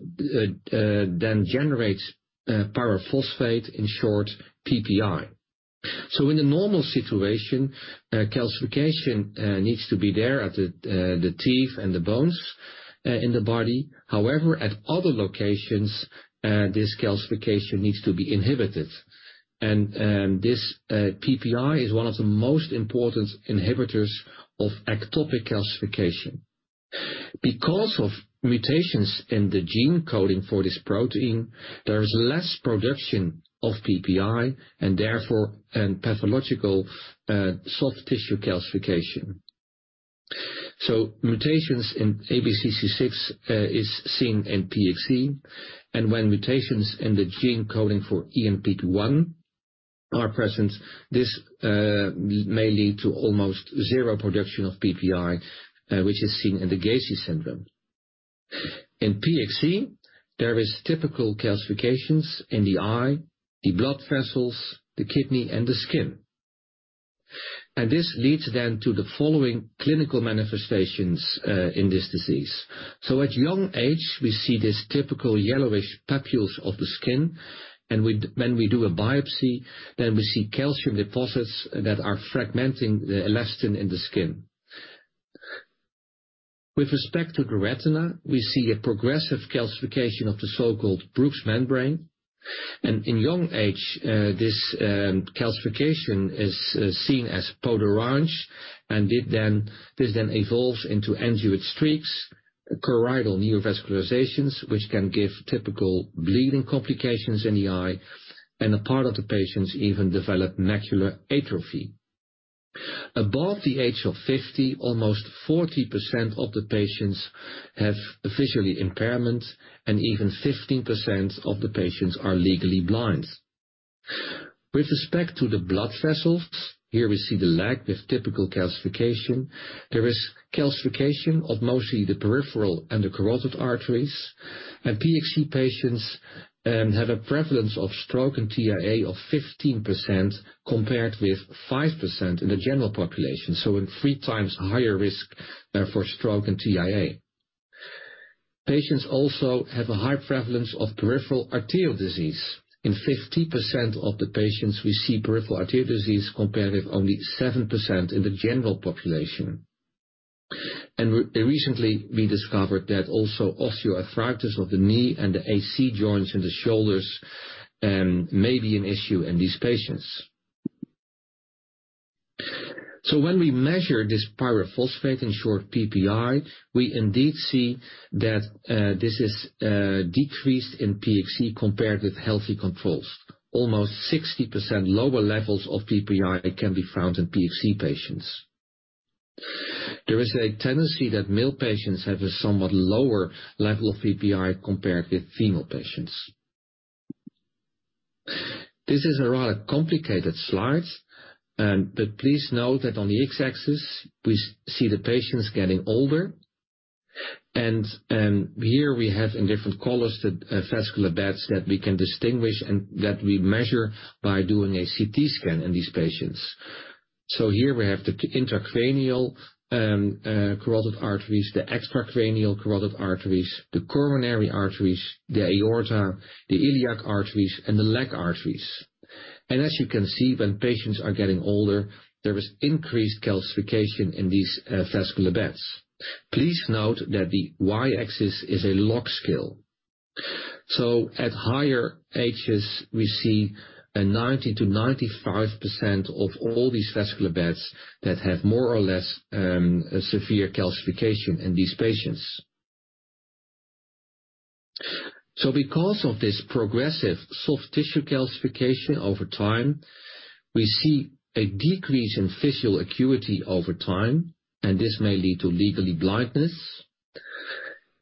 Speaker 7: then generates pyrophosphate, in short, PPI. In a normal situation, calcification needs to be there at the teeth and the bones in the body. However, at other locations, this calcification needs to be inhibited. This PPI is one of the most important inhibitors of ectopic calcification. Because of mutations in the gene coding for this protein, there is less production of PPI and therefore pathological soft tissue calcification. Mutations in ABCC6 is seen in PXE, and when mutations in the gene coding for ENPP1 are present, this may lead to almost zero production of PPI, which is seen in the GACI syndrome. In PXE, there is typical calcifications in the eye, the blood vessels, the kidney, and the skin. This leads then to the following clinical manifestations in this disease. At young age, we see this typical yellowish papules of the skin. When we do a biopsy, then we see calcium deposits that are fragmenting the elastin in the skin. With respect to the retina, we see a progressive calcification of the so-called Bruch's membrane. In young age, this calcification is seen as peau d'orange, and this then evolves into angioid streaks, choroidal neovascularizations, which can give typical bleeding complications in the eye. A part of the patients even develop macular atrophy. Above the age of 50, almost 40% of the patients have visual impairment. Even 15% of the patients are legally blind. With respect to the blood vessels, here we see the leg with typical calcification. There is calcification of mostly the peripheral and the carotid arteries. PXE patients have a prevalence of stroke and TIA of 15% compared with 5% in the general population. A 3x higher risk for stroke and TIA. Patients also have a high prevalence of peripheral arterial disease. In 50% of the patients, we see peripheral arterial disease compared with only 7% in the general population. Recently we discovered that also osteoarthritis of the knee and the AC joints in the shoulders may be an issue in these patients. When we measure this pyrophosphate, in short, PPI, we indeed see that this is decreased in PHC compared with healthy controls. Almost 60% lower levels of PPI can be found in PHC patients. There is a tendency that male patients have a somewhat lower level of PPI compared with female patients. This is a rather complicated slide, but please note that on the X-axis we see the patients getting older. Here we have in different colors the vascular beds that we can distinguish and that we measure by doing a CT scan in these patients. Here we have the intracranial carotid arteries, the extracranial carotid arteries, the coronary arteries, the aorta, the iliac arteries, and the leg arteries. As you can see, when patients are getting older, there is increased calcification in these vascular beds. Please note that the y-axis is a lock scale. At higher ages, we see a 90%-95% of all these vascular beds that have more or less severe calcification in these patients. Because of this progressive soft tissue calcification over time, we see a decrease in visual acuity over time, and this may lead to legally blindness.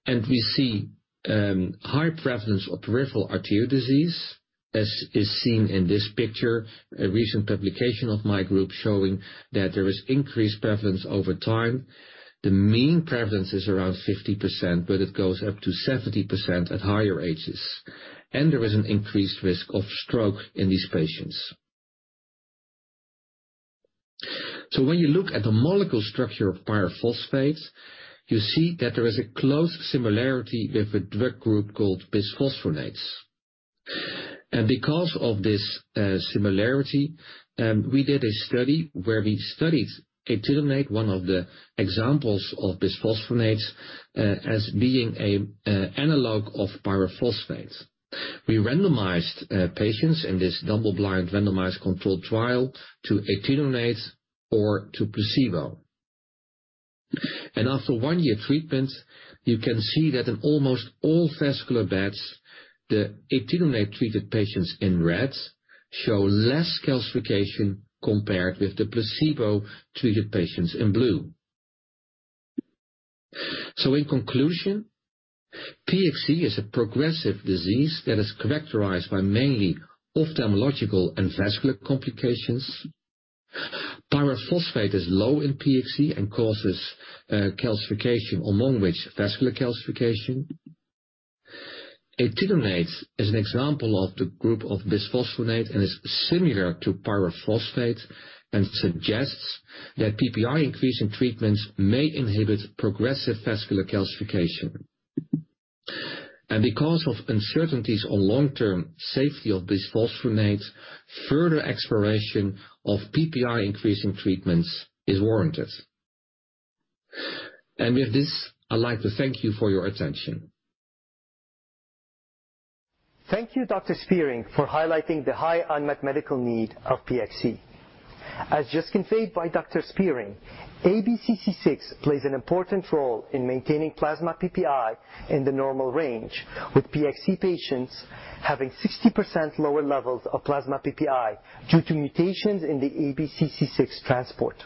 Speaker 7: We see high prevalence of peripheral arterial disease, as is seen in this picture, a recent publication of my group showing that there is increased prevalence over time. The mean prevalence is around 50%, but it goes up to 70% at higher ages. There is an increased risk of stroke in these patients. When you look at the molecule structure of pyrophosphate, you see that there is a close similarity with a drug group called bisphosphonates. Because of this similarity, we did a study where we studied etidronate, one of the examples of bisphosphonates, as being a analog of pyrophosphate. We randomized patients in this double-blind randomized controlled trial to etidronate or to placebo. After one-year treatment, you can see that in almost all vascular beds, the etidronate-treated patients in red show less calcification compared with the placebo-treated patients in blue. In conclusion, PXE is a progressive disease that is characterized by mainly ophthalmological and vascular complications. Pyrophosphate is low in PXE and causes calcification, among which vascular calcification. Etidronate is an example of the group of bisphosphonate and is similar to pyrophosphate and suggests that PPI-increasing treatments may inhibit progressive vascular calcification. Because of uncertainties on long-term safety of bisphosphonates, further exploration of PPI-increasing treatments is warranted. With this, I'd like to thank you for your attention.
Speaker 4: Thank you, Dr. Spiering, for highlighting the high unmet medical need of PXE. Just conveyed by Dr. Spiering, ABCC6 plays an important role in maintaining plasma PPI in the normal range, with PXE patients having 60% lower levels of plasma PPI due to mutations in the ABCC6 transport.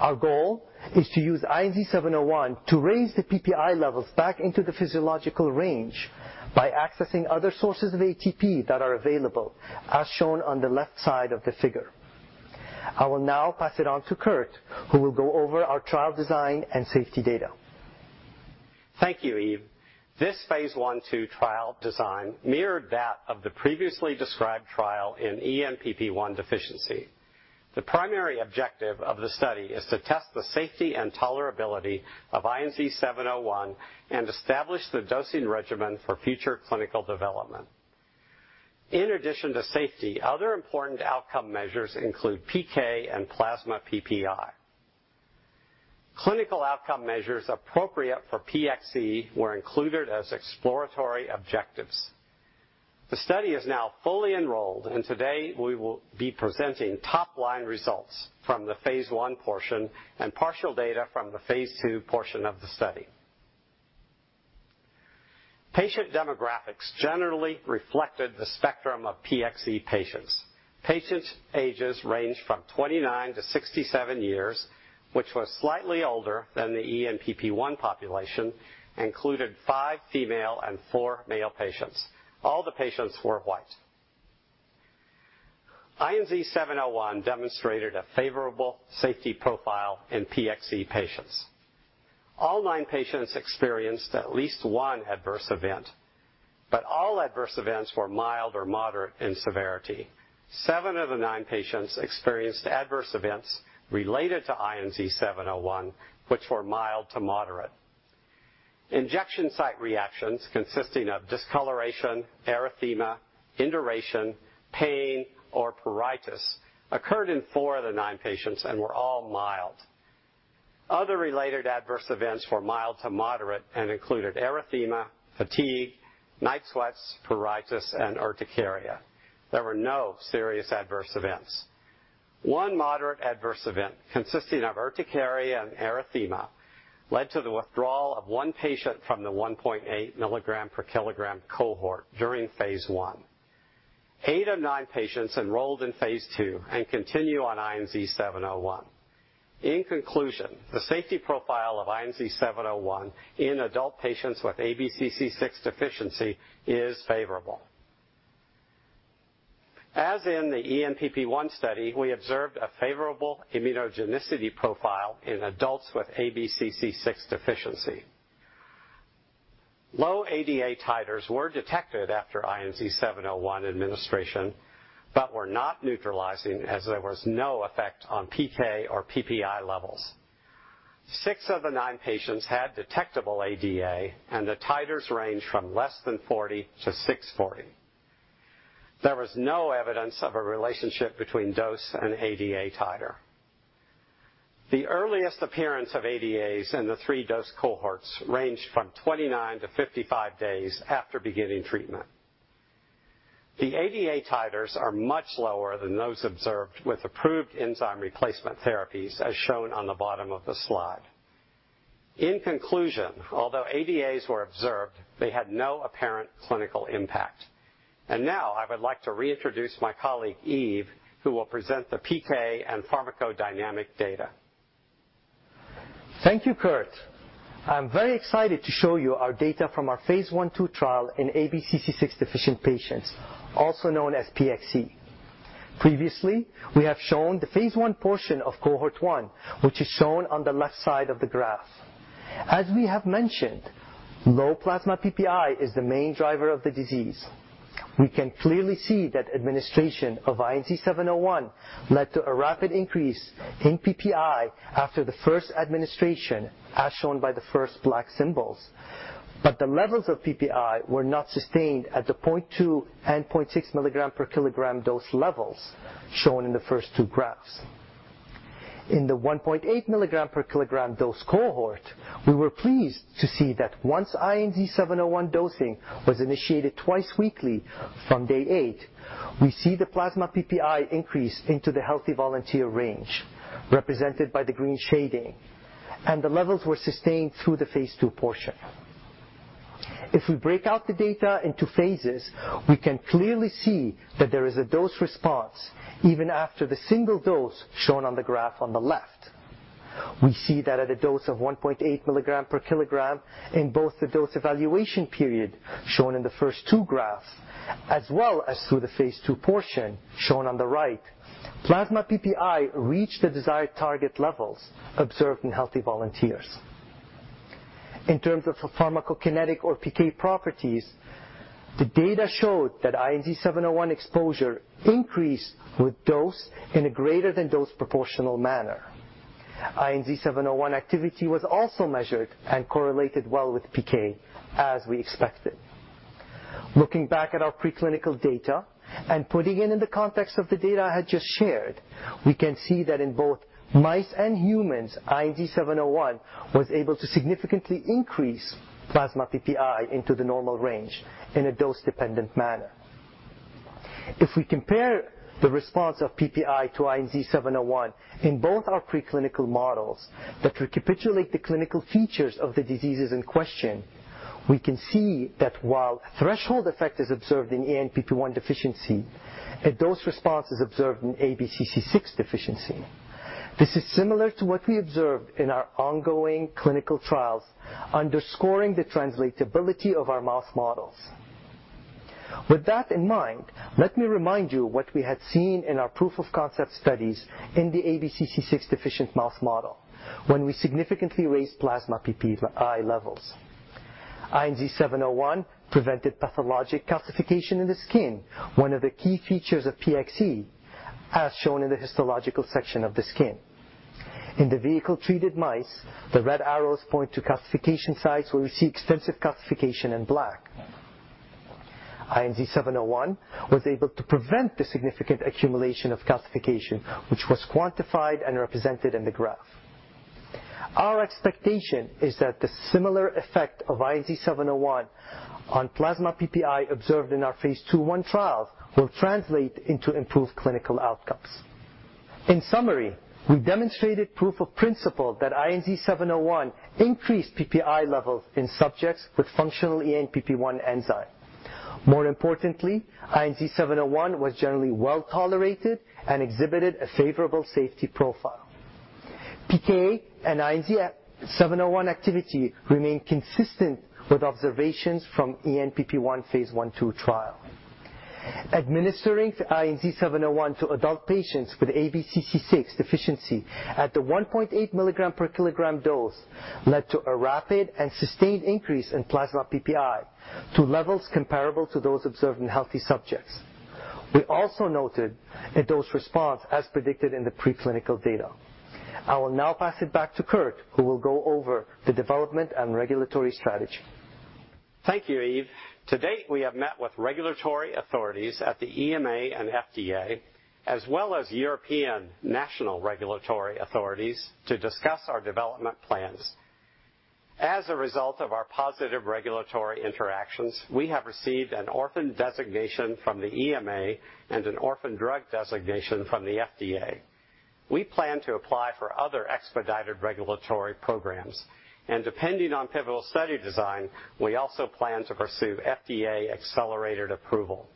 Speaker 4: Our goal is to use INZ-701 to raise the PPI levels back into the physiological range by accessing other sources of ATP that are available, as shown on the left side of the figure. I will now pass it on to Kurt, who will go over our trial design and safety data.
Speaker 5: Thank you, Yves. This phase I-II trial design mirrored that of the previously described trial in ENPP1 deficiency. The primary objective of the study is to test the safety and tolerability of INZ-701 and establish the dosing regimen for future clinical development. In addition to safety, other important outcome measures include PK and plasma PPI. Clinical outcome measures appropriate for PXE were included as exploratory objectives. The study is now fully enrolled. Today we will be presenting top-line results from the phase I portion and partial data from the phase II portion of the study. Patient demographics generally reflected the spectrum of PXE patients. Patient ages ranged from 29 to 67 years, which was slightly older than the ENPP1 population, included five female and four male patients. All the patients were white. INZ-701 demonstrated a favorable safety profile in PXE patients. All 9 patients experienced at least 1 adverse event, but all adverse events were mild or moderate in severity. Seven of the nine patients experienced adverse events related to INZ-701, which were mild to moderate. Injection site reactions consisting of discoloration, erythema, induration, pain, or pruritus occurred in four of the nine patients and were all mild. Other related adverse events were mild to moderate and included erythema, fatigue, night sweats, pruritus, and urticaria. There were no serious adverse events. one moderate adverse event consisting of urticaria and erythema led to the withdrawal of one patient from the 1.8 mg/kg cohort during phase I. Eight of nine patients enrolled in phase II and continue on INZ-701. In conclusion, the safety profile of INZ-701 in adult patients with ABCC6 deficiency is favorable. In the ENPP1 study, we observed a favorable immunogenicity profile in adults with ABCC6 deficiency. Low ADA titers were detected after INZ-701 administration, but were not neutralizing as there was no effect on PK or PPI levels. 6 of the 9 patients had detectable ADA, and the titers ranged from less than 40 to 640. There was no evidence of a relationship between dose and ADA titer. The earliest appearance of ADAs in the 3 dose cohorts ranged from 29 to 55 days after beginning treatment. The ADA titers are much lower than those observed with approved enzyme replacement therapies, as shown on the bottom of the slide. In conclusion, although ADAs were observed, they had no apparent clinical impact. Now I would like to reintroduce my colleague, Yves, who will present the PK and pharmacodynamic data.
Speaker 4: Thank you, Kurt. I'm very excited to show you our data from our phase I-II trial in ABCC6 deficient patients, also known as PXE. Previously, we have shown the phase I portion of cohort one, which is shown on the left side of the graph. As we have mentioned, low plasma PPI is the main driver of the disease. We can clearly see that administration of INZ-701 led to a rapid increase in PPI after the first administration, as shown by the first black symbols. The levels of PPI were not sustained at the 0.2 and 0.6 mg/kg dose levels shown in the first two graphs. In the 1.8 mg/kg dose cohort, we were pleased to see that once INZ-701 dosing was initiated twice weekly from day eight, we see the plasma PPI increase into the healthy volunteer range, represented by the green shading. The levels were sustained through the phase II portion. If we break out the data into phases, we can clearly see that there is a dose response even after the single dose shown on the graph on the left. We see that at a dose of 1.8 mg/kg in both the dose evaluation period shown in the first two graphs, as well as through the phase II portion shown on the right. Plasma PPI reached the desired target levels observed in healthy volunteers. In terms of pharmacokinetic or PK properties, the data showed that INZ-701 exposure increased with dose in a greater than dose proportional manner. INZ-701 activity was also measured and correlated well with PK, as we expected. Looking back at our preclinical data and putting it in the context of the data I had just shared, we can see that in both mice and humans, INZ-701 was able to significantly increase plasma PPI into the normal range in a dose-dependent manner. If we compare the response of PPI to INZ-701 in both our preclinical models that recapitulate the clinical features of the diseases in question, we can see that while threshold effect is observed in ENPP1 deficiency, a dose response is observed in ABCC6 deficiency. This is similar to what we observed in our ongoing clinical trials, underscoring the translatability of our mouse models. With that in mind, let me remind you what we had seen in our proof of concept studies in the ABCC6 deficient mouse model when we significantly raised plasma PPI levels. INZ-701 prevented pathologic calcification in the skin, one of the key features of PXE, as shown in the histological section of the skin. In the vehicle-treated mice, the red arrows point to calcification sites where we see extensive calcification in black. INZ-701 was able to prevent the significant accumulation of calcification, which was quantified and represented in the graph. Our expectation is that the similar effect of INZ-701 on plasma PPI observed in our phase II-I trials will translate into improved clinical outcomes. In summary, we demonstrated proof of principle that INZ-701 increased PPI levels in subjects with functional ENPP1 enzyme. More importantly, INZ-701 was generally well-tolerated and exhibited a favorable safety profile. PK and INZ-701 activity remain consistent with observations from ENPP1 phase I-II trial. Administering INZ-701 to adult patients with ABCC6 deficiency at the 1.8 mg/kg dose led to a rapid and sustained increase in plasma PPI to levels comparable to those observed in healthy subjects. We also noted a dose response as predicted in the preclinical data. I will now pass it back to Kurt, who will go over the development and regulatory strategy.
Speaker 5: Thank you, Yves. To date, we have met with regulatory authorities at the EMA and FDA, as well as European national regulatory authorities to discuss our development plans. As a result of our positive regulatory interactions, we have received an orphan designation from the EMA and an Orphan Drug Designation from the FDA. We plan to apply for other expedited regulatory programs. Depending on pivotal study design, we also plan to pursue FDA Accelerated Approval.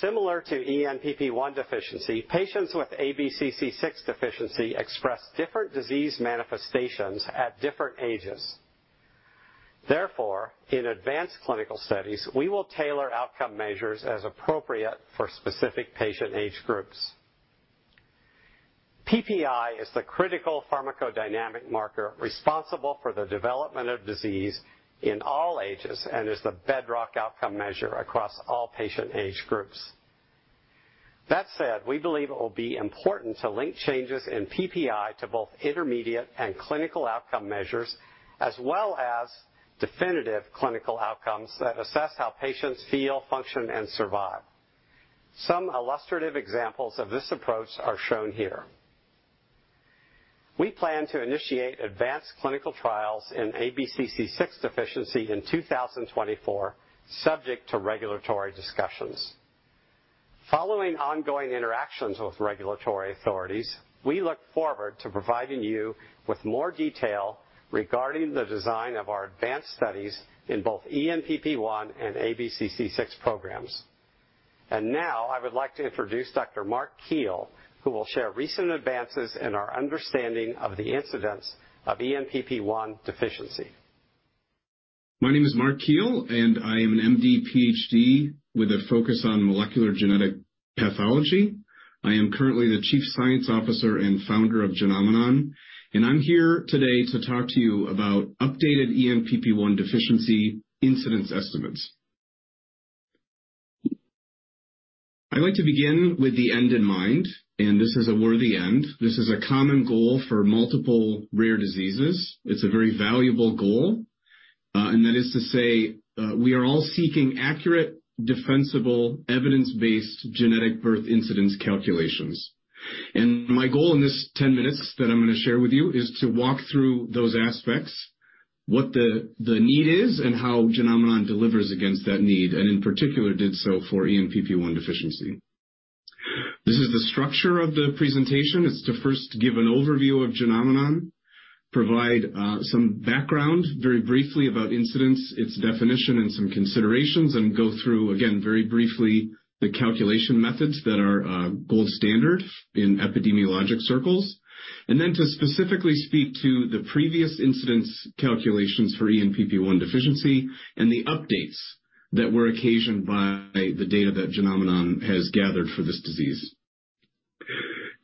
Speaker 5: Similar to ENPP1 deficiency, patients with ABCC6 deficiency express different disease manifestations at different ages. Therefore, in advanced clinical studies, we will tailor outcome measures as appropriate for specific patient age groups. PPI is the critical pharmacodynamic marker responsible for the development of disease in all ages and is the bedrock outcome measure across all patient age groups. That said, we believe it will be important to link changes in PPI to both intermediate and clinical outcome measures as well as definitive clinical outcomes that assess how patients feel, function, and survive. Some illustrative examples of this approach are shown here. We plan to initiate advanced clinical trials in ABCC6 deficiency in 2024, subject to regulatory discussions. Following ongoing interactions with regulatory authorities, we look forward to providing you with more detail regarding the design of our advanced studies in both ENPP1 and ABCC6 programs. Now I would like to introduce Dr. Mark Kiel, who will share recent advances in our understanding of the incidence of ENPP1 deficiency.
Speaker 8: My name is Mark Kiel. I am an M.D., Ph.D. with a focus on molecular genetic pathology. I am currently the Chief Scientific Officer and founder of Genomenon. I'm here today to talk to you about updated ENPP1 deficiency incidence estimates. I'd like to begin with the end in mind. This is a worthy end. This is a common goal for multiple rare diseases. It's a very valuable goal. That is to say, we are all seeking accurate, defensible, evidence-based genetic birth incidence calculations. My goal in this 10 minutes that I'm gonna share with you is to walk through those aspects, what the need is, and how Genomenon delivers against that need. In particular, did so for ENPP1 deficiency. This is the structure of the presentation. It's to first give an overview of Genomenon, provide some background very briefly about incidence, its definition, and some considerations, go through, again, very briefly, the calculation methods that are gold standard in epidemiologic circles. Then to specifically speak to the previous incidence calculations for ENPP1 deficiency and the updates that were occasioned by the data that Genomenon has gathered for this disease.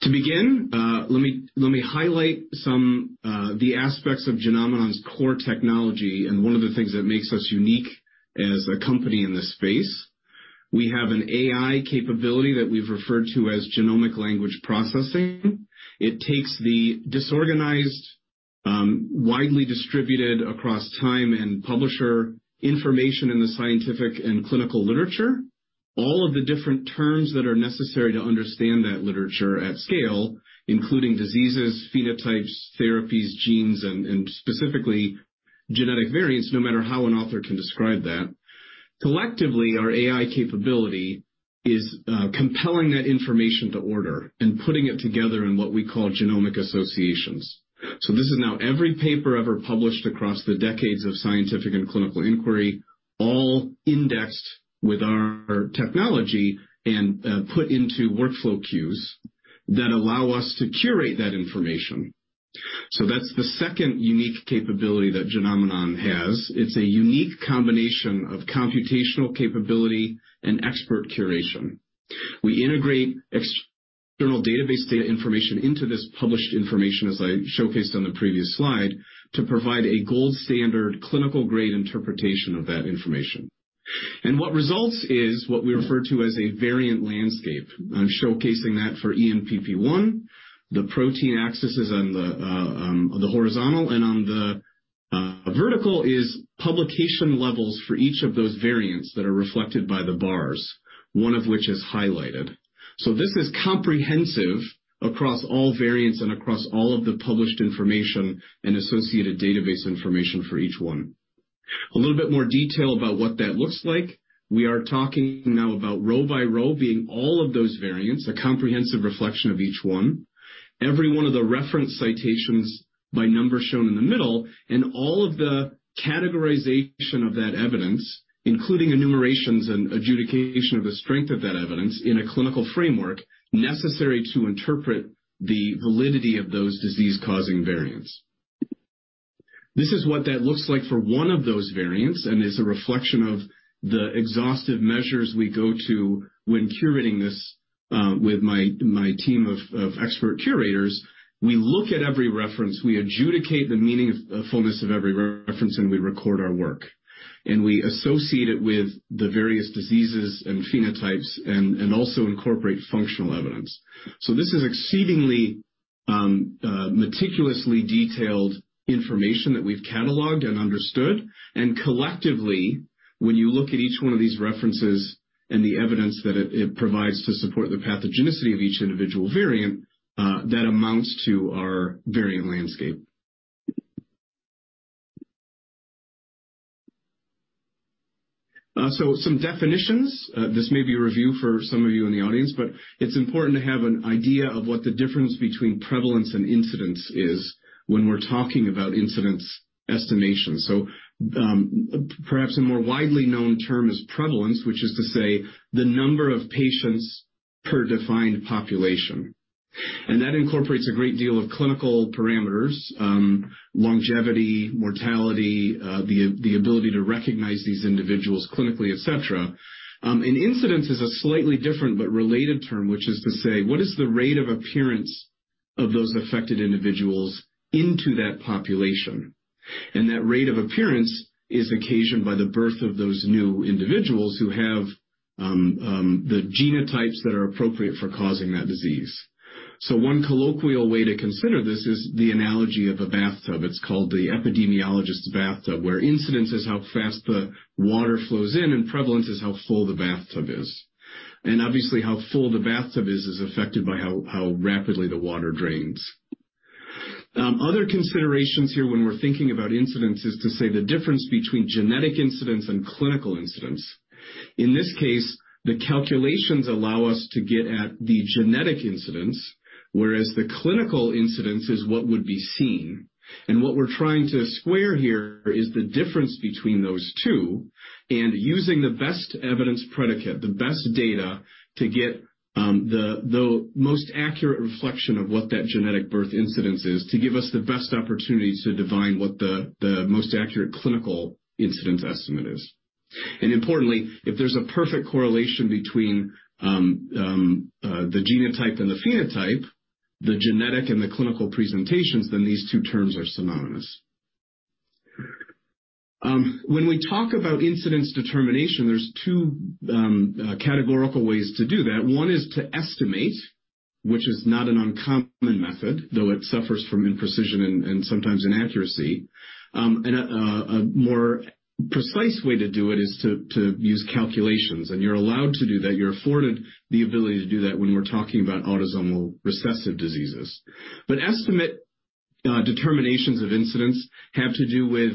Speaker 8: To begin, let me highlight some the aspects of Genomenon's core technology and one of the things that makes us unique as a company in this space. We have an AI capability that we've referred to as genomic language processing. It takes the disorganized, widely distributed across time and publisher information in the scientific and clinical literature, all of the different terms that are necessary to understand that literature at scale, including diseases, phenotypes, therapies, genes and specifically genetic variants, no matter how an author can describe that. Collectively, our AI capability is compelling that information to order and putting it together in what we call genomic associations. This is now every paper ever published across the decades of scientific and clinical inquiry, all indexed with our technology and put into workflow queues that allow us to curate that information. That's the second unique capability that Genomenon has. It's a unique combination of computational capability and expert curation. We integrate external database data information into this published information, as I showcased on the previous slide, to provide a gold-standard clinical-grade interpretation of that information. What results is what we refer to as a variant landscape. I'm showcasing that for ENPP1. The protein axis is on the horizontal, and on the vertical is publication levels for each of those variants that are reflected by the bars, one of which is highlighted. This is comprehensive across all variants and across all of the published information and associated database information for each one. A little bit more detail about what that looks like. We are talking now about row by row being all of those variants, a comprehensive reflection of each one, every one of the reference citations by number shown in the middle, and all of the categorization of that evidence, including enumerations and adjudication of the strength of that evidence in a clinical framework necessary to interpret the validity of those disease-causing variants. This is what that looks like for one of those variants and is a reflection of the exhaustive measures we go to when curating this with my team of expert curators. We look at every reference, we adjudicate the meaningfulness of every reference, and we record our work. We associate it with the various diseases and phenotypes and also incorporate functional evidence. This is exceedingly meticulously detailed information that we've cataloged and understood. Collectively, when you look at each one of these references and the evidence that it provides to support the pathogenicity of each individual variant, that amounts to our variant landscape. Some definitions. This may be a review for some of you in the audience, but it's important to have an idea of what the difference between prevalence and incidence is when we're talking about incidence estimation. Perhaps a more widely known term is prevalence, which is to say the number of patients per defined population. That incorporates a great deal of clinical parameters, longevity, mortality, the ability to recognize these individuals clinically, et cetera. Incidence is a slightly different but related term, which is to say, what is the rate of appearance of those affected individuals into that population? That rate of appearance is occasioned by the birth of those new individuals who have the genotypes that are appropriate for causing that disease. One colloquial way to consider this is the analogy of a bathtub. It's called the epidemiologist's bathtub, where incidence is how fast the water flows in, and prevalence is how full the bathtub is. Obviously, how full the bathtub is affected by how rapidly the water drains. Other considerations here when we're thinking about incidence is to say the difference between genetic incidence and clinical incidence. In this case, the calculations allow us to get at the genetic incidence, whereas the clinical incidence is what would be seen. What we're trying to square here is the difference between those two and using the best evidence predicate, the best data to get the most accurate reflection of what that genetic birth incidence is to give us the best opportunity to divine what the most accurate clinical incidence estimate is. Importantly, if there's a perfect correlation between the genotype and the phenotype, the genetic and the clinical presentations, then these two terms are synonymous. When we talk about incidence determination, there's two categorical ways to do that. One is to estimate, which is not an uncommon method, though it suffers from imprecision and sometimes inaccuracy. A more precise way to do it is to use calculations. You're allowed to do that. You're afforded the ability to do that when we're talking about autosomal recessive diseases. Estimate determinations of incidence have to do with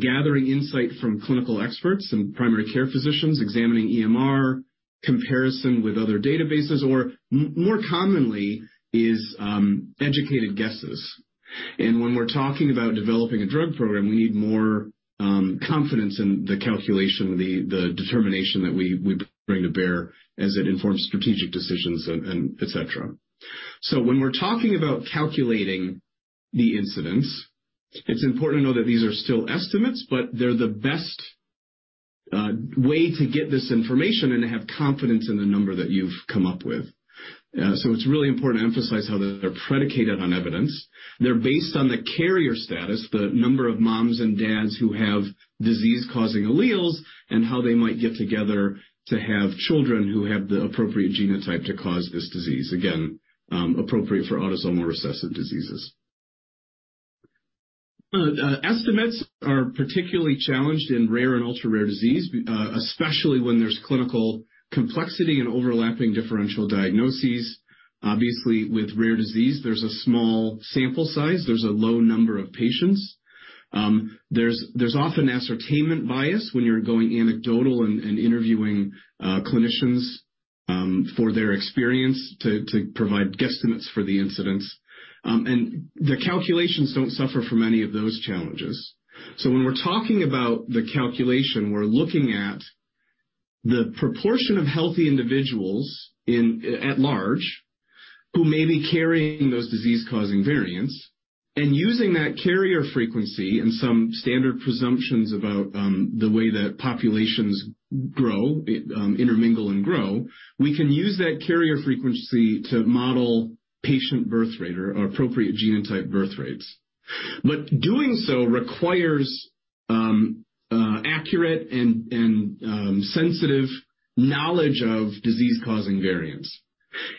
Speaker 8: gathering insight from clinical experts and primary care physicians, examining EMR, comparison with other databases, or more commonly is educated guesses. When we're talking about developing a drug program, we need more confidence in the calculation, the determination that we bring to bear as it informs strategic decisions and et cetera. When we're talking about calculating the incidence, it's important to know that these are still estimates, but they're the best way to get this information and to have confidence in the number that you've come up with. It's really important to emphasize how they're predicated on evidence. They're based on the carrier status, the number of moms and dads who have disease-causing alleles, and how they might get together to have children who have the appropriate genotype to cause this disease. Again, appropriate for autosomal recessive diseases. Estimates are particularly challenged in rare and ultra-rare disease, especially when there's clinical complexity and overlapping differential diagnoses. Obviously, with rare disease, there's a small sample size. There's a low number of patients. There's often ascertainment bias when you're going anecdotal and interviewing clinicians for their experience to provide guesstimates for the incidence. The calculations don't suffer from any of those challenges. When we're talking about the calculation, we're looking at the proportion of healthy individuals at large who may be carrying those disease-causing variants and using that carrier frequency and some standard presumptions about the way that populations grow, intermingle and grow, we can use that carrier frequency to model patient birth rate or appropriate genotype birth rates. Doing so requires accurate and sensitive knowledge of disease-causing variants.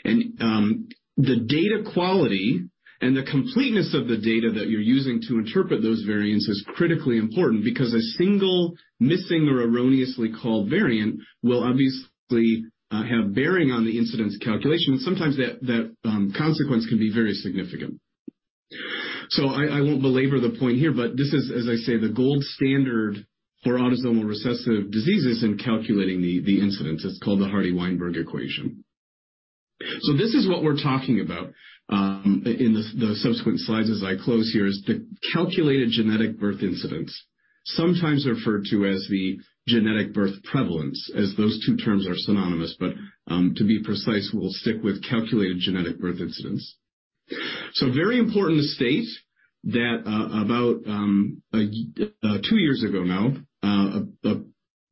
Speaker 8: The data quality and the completeness of the data that you're using to interpret those variants is critically important because a single missing or erroneously called variant will obviously have bearing on the incidence calculation. Sometimes that consequence can be very significant. I won't belabor the point here, but this is, as I say, the gold standard for autosomal recessive diseases in calculating the incidence. It's called the Hardy-Weinberg equation. This is what we're talking about in the subsequent slides as I close here is the calculated genetic birth incidence, sometimes referred to as the genetic birth prevalence, as those two terms are synonymous. To be precise, we'll stick with calculated genetic birth incidence. Very important to state that about two years ago now, a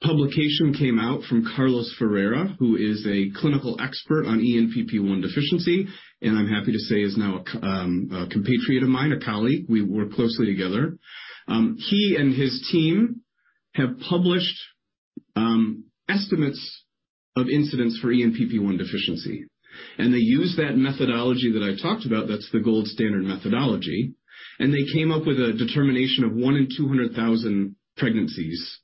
Speaker 8: publication came out from Carlos Ferreira, who is a clinical expert on ENPP1 deficiency, and I'm happy to say is now a compatriot of mine, a colleague. We work closely together. He and his team have published estimates of incidence for ENPP1 deficiency, and they use that methodology that I talked about. That's the gold standard methodology. They came up with a determination of 1 in 200,000 pregnancies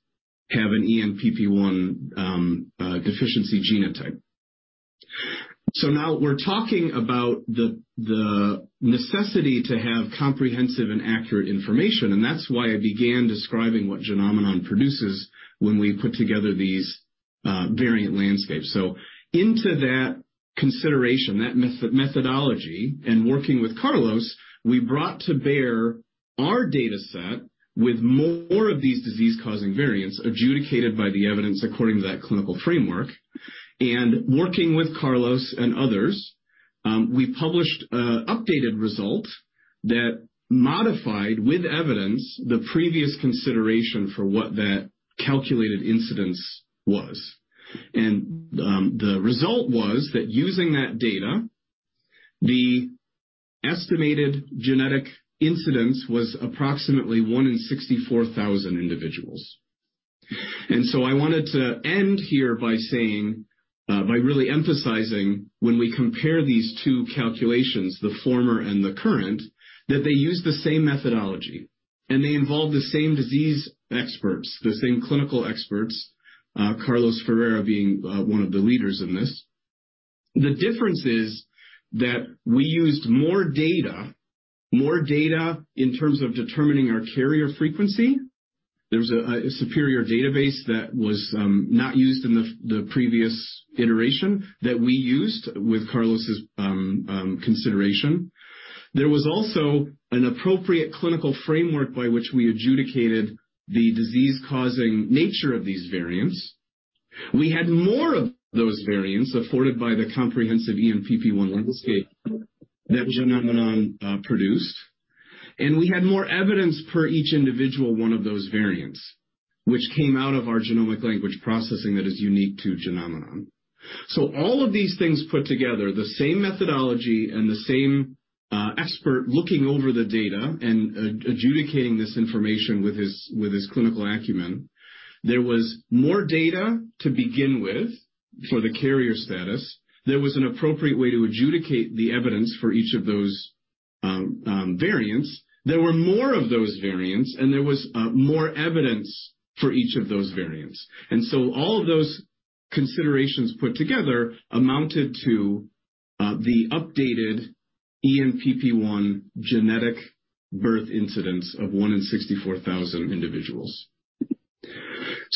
Speaker 8: have an ENPP1 deficiency genotype. Now we're talking about the necessity to have comprehensive and accurate information, and that's why I began describing what Genomenon produces when we put together these variant landscapes. Into that consideration, that methodology, and working with Carlos, we brought to bear our data set with more of these disease-causing variants adjudicated by the evidence according to that clinical framework and working with Carlos and others, we published a updated result that modified with evidence the previous consideration for what that calculated incidence was. The result was that using that data, the estimated genetic incidence was approximately 1 in 64,000 individuals. I wanted to end here by saying, by really emphasizing when we compare these two calculations, the former and the current, that they use the same methodology and they involve the same disease experts, the same clinical experts, Carlos Ferreira being one of the leaders in this. The difference is that we used more data, more data in terms of determining our carrier frequency. There was a superior database that was not used in the previous iteration that we used with Carlos' consideration. There was also an appropriate clinical framework by which we adjudicated the disease-causing nature of these variants. We had more of those variants afforded by the comprehensive ENPP1 landscape that Genomenon produced. We had more evidence per each individual one of those variants, which came out of our genomic language processing that is unique to Genomenon. All of these things put together, the same methodology and the same expert looking over the data and adjudicating this information with his clinical acumen. There was more data to begin with for the carrier status. There was an appropriate way to adjudicate the evidence for each of those variants. There were more of those variants and there was more evidence for each of those variants. All of those considerations put together amounted to the updated ENPP1 genetic birth incidence of one in 64,000 individuals.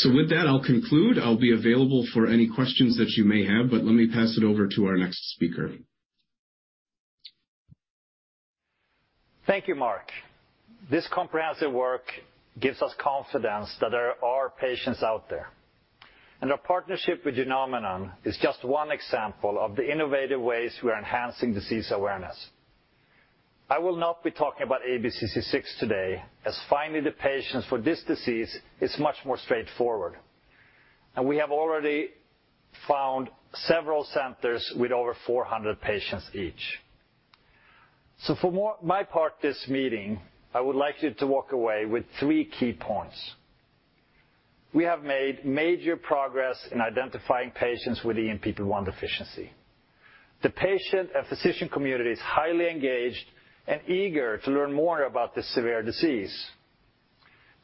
Speaker 8: With that, I'll conclude. I'll be available for any questions that you may have. Let me pass it over to our next speaker.
Speaker 9: Thank you, Mark. This comprehensive work gives us confidence that there are patients out there. Our partnership with Genomenon is just one example of the innovative ways we are enhancing disease awareness. I will not be talking about ABCC6 today, as finding the patients for this disease is much more straightforward. We have already found several centers with over 400 patients each. For my part this meeting, I would like you to walk away with 3 key points. We have made major progress in identifying patients with ENPP1 deficiency. The patient and physician community is highly engaged and eager to learn more about this severe disease.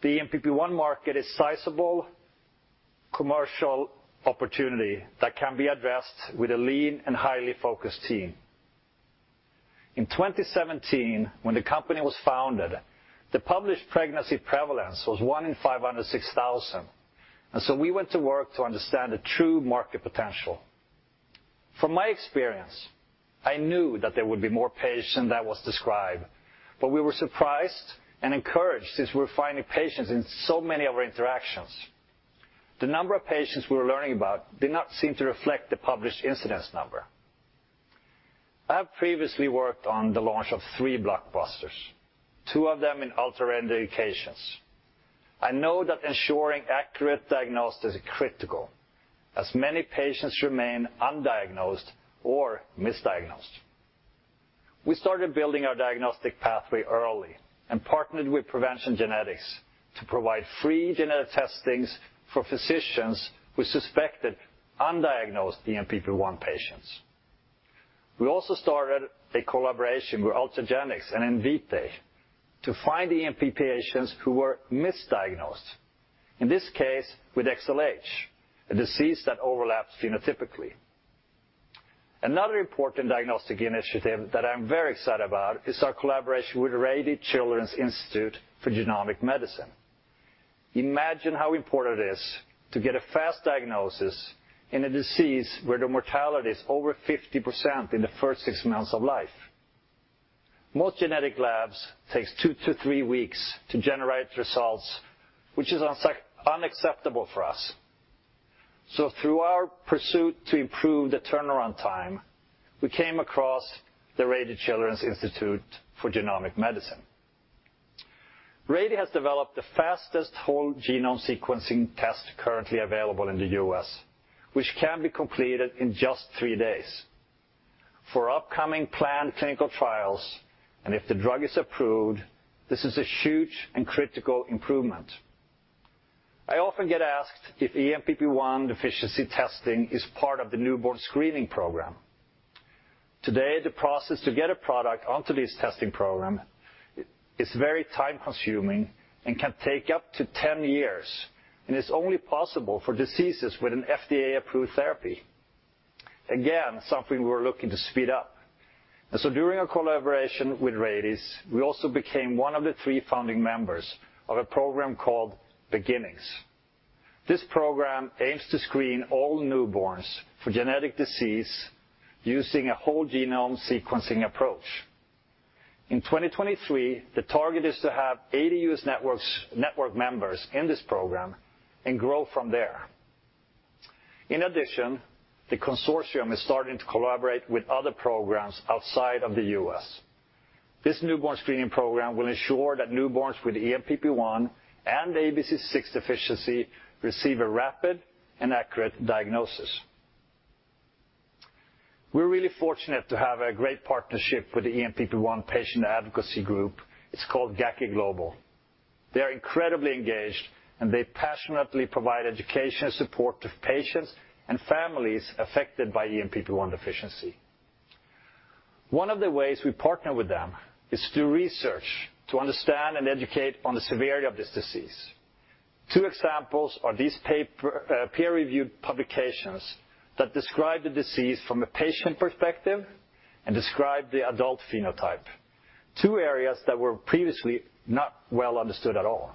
Speaker 9: The ENPP1 market is sizable commercial opportunity that can be addressed with a lean and highly focused team. In 2017, when the company was founded, the published pregnancy prevalence was 1 in 506,000. We went to work to understand the true market potential. From my experience, I knew that there would be more patients than was described, but we were surprised and encouraged since we're finding patients in so many of our interactions. The number of patients we were learning about did not seem to reflect the published incidence number. I have previously worked on the launch of three blockbusters, two of them in ultra-rare indications. I know that ensuring accurate diagnosis is critical, as many patients remain undiagnosed or misdiagnosed. We started building our diagnostic pathway early and partnered with PreventionGenetics to provide free genetic testings for physicians with suspected undiagnosed ENPP1 patients. We also started a collaboration with Ultragenyx and Invitae to find ENPP patients who were misdiagnosed, in this case with XLH, a disease that overlaps phenotypically. Another important diagnostic initiative that I'm very excited about is our collaboration with Rady Children's Institute for Genomic Medicine. Imagine how important it is to get a fast diagnosis in a disease where the mortality is over 50% in the first six months of life. Most genetic labs takes two to three weeks to generate results, which is unacceptable for us. Through our pursuit to improve the turnaround time, we came across the Rady Children's Institute for Genomic Medicine. Rady has developed the fastest whole genome sequencing test currently available in the U.S., which can be completed in just three days. For upcoming planned clinical trials, and if the drug is approved, this is a huge and critical improvement. I often get asked if ENPP1 deficiency testing is part of the newborn screening program. Today, the process to get a product onto this testing program is very time-consuming and can take up to 10 years. It's only possible for diseases with an FDA-approved therapy. Again, something we're looking to speed up. During our collaboration with Rady's, we also became one of the three founding members of a program called Beginnings. This program aims to screen all newborns for genetic disease using a whole genome sequencing approach. In 2023, the target is to have 80 U.S. network members in this program and grow from there. In addition, the consortium is starting to collaborate with other programs outside of the U.S. This newborn screening program will ensure that newborns with ENPP1 and ABCC6 deficiency receive a rapid and accurate diagnosis. We're really fortunate to have a great partnership with the ENPP1 patient advocacy group. It's called GACI Global. They are incredibly engaged, and they passionately provide education and support to patients and families affected by ENPP1 deficiency. One of the ways we partner with them is through research to understand and educate on the severity of this disease. Two examples are these peer-reviewed publications that describe the disease from a patient perspective and describe the adult phenotype, two areas that were previously not well understood at all.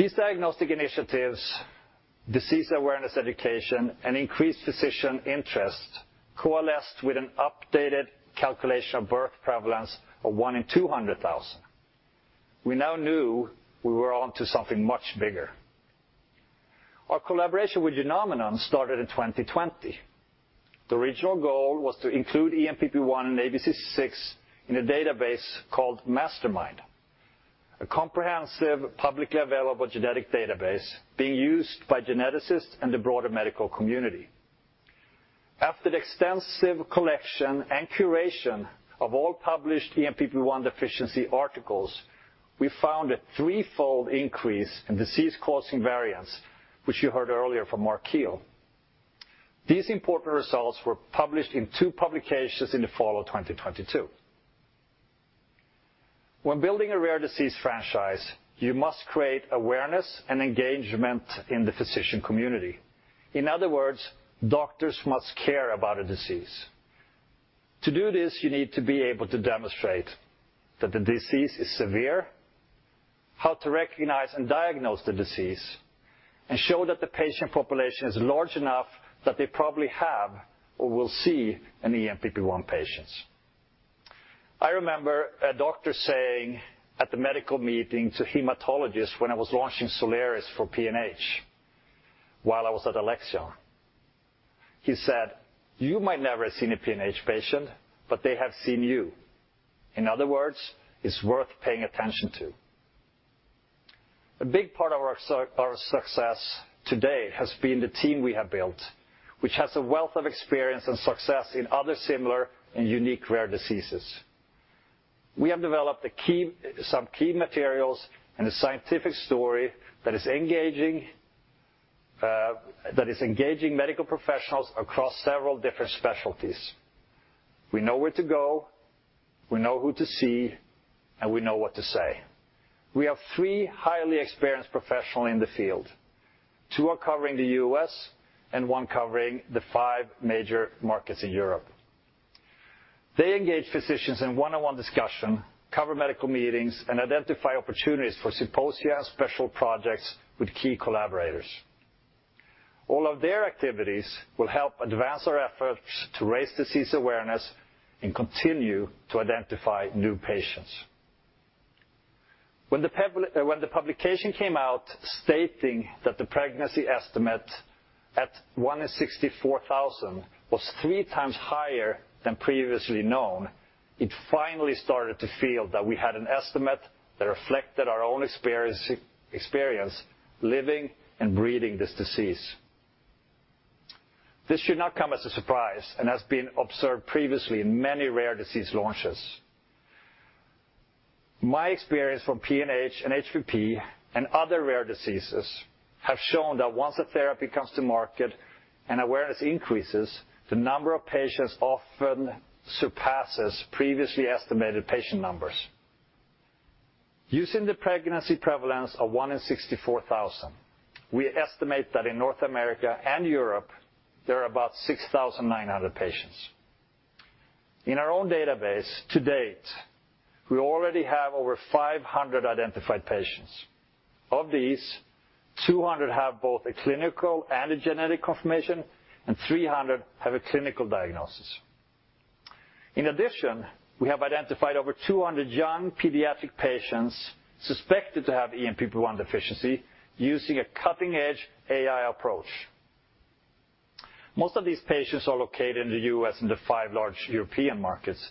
Speaker 9: These diagnostic initiatives, disease awareness education, and increased physician interest coalesced with an updated calculation of birth prevalence of one in 200,000. We now knew we were on to something much bigger. Our collaboration with Genomenon started in 2020. The original goal was to include ENPP1 and ABCC6 in a database called Mastermind, a comprehensive, publicly available genetic database being used by geneticists and the broader medical community. After the extensive collection and curation of all published ENPP1 deficiency articles, we found a three-fold increase in disease-causing variants, which you heard earlier from Mark Kiel. These important results were published in two publications in the fall of 2022. When building a rare disease franchise, you must create awareness and engagement in the physician community. In other words, doctors must care about a disease. To do this, you need to be able to demonstrate that the disease is severe, how to recognize and diagnose the disease, and show that the patient population is large enough that they probably have or will see an ENPP1 patients. I remember a doctor saying at the medical meeting to hematologists when I was launching Soliris for PNH while I was at Alexion. He said, "You might never have seen a PNH patient, but they have seen you." In other words, it's worth paying attention to. A big part of our success today has been the team we have built, which has a wealth of experience and success in other similar and unique rare diseases. We have developed some key materials and a scientific story that is engaging medical professionals across several different specialties. We know where to go, we know who to see, and we know what to say. We have three highly experienced professionals in the field. Two are covering the U.S. and one covering the five major markets in Europe. They engage physicians in one-on-one discussion, cover medical meetings, and identify opportunities for symposia and special projects with key collaborators. All of their activities will help advance our efforts to raise disease awareness and continue to identify new patients. When the publication came out stating that the pregnancy estimate at 1 in 64,000 was 3x higher than previously known, it finally started to feel that we had an estimate that reflected our own experience living and breathing this disease. This should not come as a surprise and has been observed previously in many rare disease launches. My experience from PNH and HPP and other rare diseases have shown that once a therapy comes to market and awareness increases, the number of patients often surpasses previously estimated patient numbers. Using the pregnancy prevalence of 1 in 64,000, we estimate that in North America and Europe, there are about 6,900 patients. In our own database to date, we already have over 500 identified patients. Of these, 200 have both a clinical and a genetic confirmation, and 300 have a clinical diagnosis. In addition, we have identified over 200 young pediatric patients suspected to have ENPP1 deficiency using a cutting-edge AI approach. Most of these patients are located in the U.S. and the five large European markets,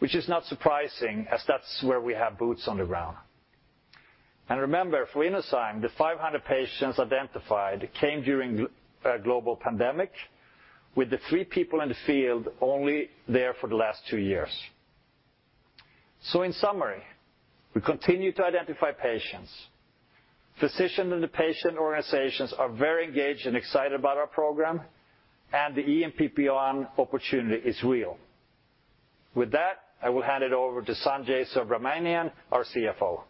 Speaker 9: which is not surprising as that's where we have boots on the ground. Remember, for Inozyme, the 500 patients identified came during a global pandemic with the 3 people in the field only there for the last 2 years. In summary, we continue to identify patients. Physicians and the patient organizations are very engaged and excited about our program, and the ENPP1 opportunity is real. With that, I will hand it over to Sanjay Subramanian, our CFO.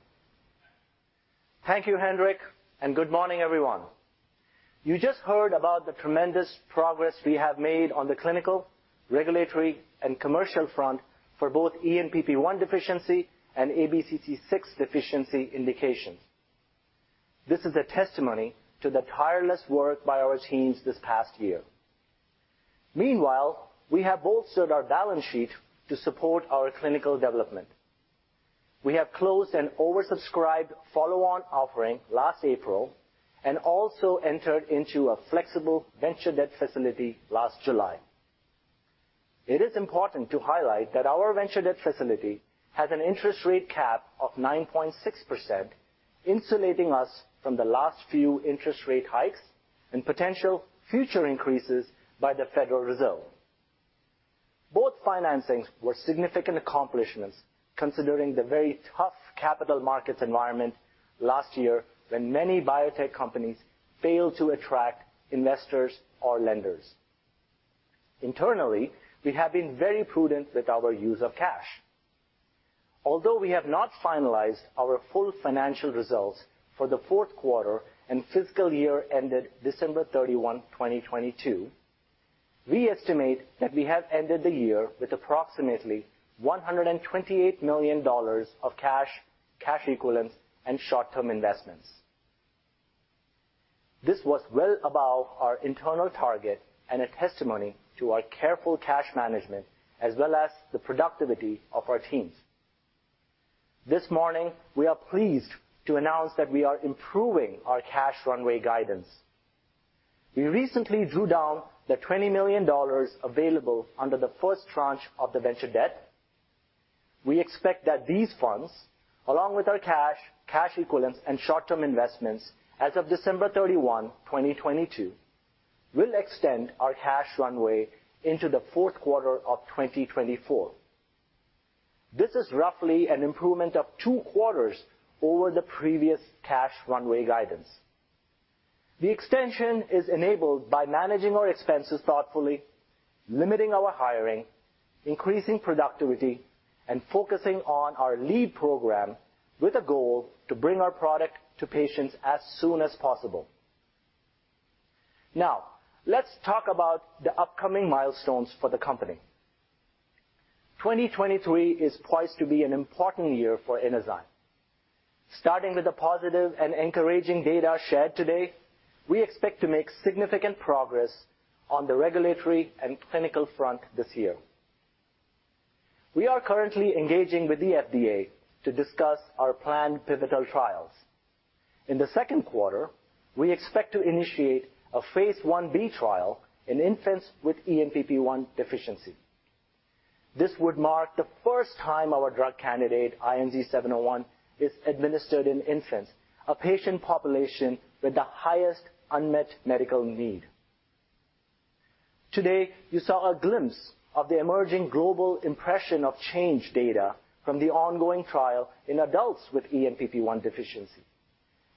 Speaker 10: Thank you, Henrik. Good morning, everyone. You just heard about the tremendous progress we have made on the clinical, regulatory, and commercial front for both ENPP1 deficiency and ABCC6 deficiency indications. This is a testimony to the tireless work by our teams this past year. Meanwhile, we have bolstered our balance sheet to support our clinical development. We have closed an oversubscribed follow-on offering last April and also entered into a flexible venture debt facility last July. It is important to highlight that our venture debt facility has an interest rate cap of 9.6%, insulating us from the last few interest rate hikes and potential future increases by the Federal Reserve. Both financings were significant accomplishments considering the very tough capital markets environment last year when many biotech companies failed to attract investors or lenders. Internally, we have been very prudent with our use of cash. Although we have not finalized our full financial results for the fourth quarter and fiscal year ended December 31, 2022, we estimate that we have ended the year with approximately $128 million of cash equivalents, and short-term investments. This was well above our internal target and a testimony to our careful cash management as well as the productivity of our teams. This morning, we are pleased to announce that we are improving our cash runway guidance. We recently drew down the $20 million available under the first tranche of the venture debt. We expect that these funds, along with our cash equivalents, and short-term investments as of December 31, 2022, will extend our cash runway into the fourth quarter of 2024. This is roughly an improvement of two quarters over the previous cash runway guidance. The extension is enabled by managing our expenses thoughtfully, limiting our hiring, increasing productivity, and focusing on our lead program with a goal to bring our product to patients as soon as possible. Let's talk about the upcoming milestones for the company. 2023 is poised to be an important year for Inozyme. Starting with the positive and encouraging data shared today, we expect to make significant progress on the regulatory and clinical front this year. We are currently engaging with the FDA to discuss our planned pivotal trials. In the second quarter, we expect to initiate a phase I-B trial in infants with ENPP1 deficiency. This would mark the first time our drug candidate, INZ-701, is administered in infants, a patient population with the highest unmet medical need. Today, you saw a glimpse of the emerging global impression of change data from the ongoing trial in adults with ENPP1 deficiency.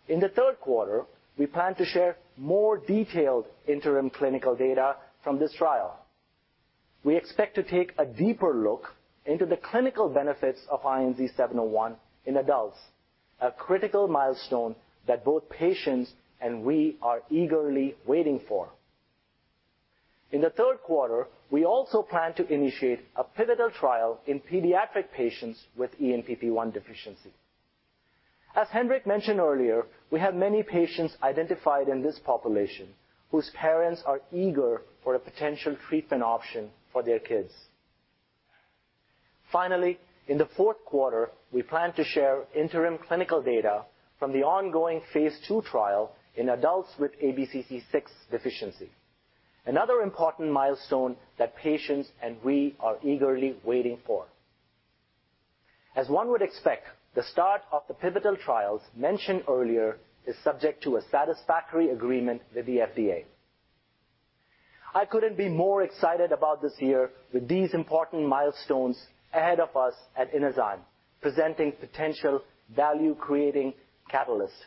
Speaker 10: In the third quarter, we plan to share more detailed interim clinical data from this trial. We expect to take a deeper look into the clinical benefits of INZ-701 in adults, a critical milestone that both patients and we are eagerly waiting for. In the third quarter, we also plan to initiate a pivotal trial in pediatric patients with ENPP1 deficiency. As Hendrik mentioned earlier, we have many patients identified in this population whose parents are eager for a potential treatment option for their kids. In the fourth quarter, we plan to share interim clinical data from the ongoing phase II trial in adults with ABCC6 deficiency, another important milestone that patients and we are eagerly waiting for. As one would expect, the start of the pivotal trials mentioned earlier is subject to a satisfactory agreement with the FDA. I couldn't be more excited about this year with these important milestones ahead of us at Inozyme, presenting potential value-creating catalysts.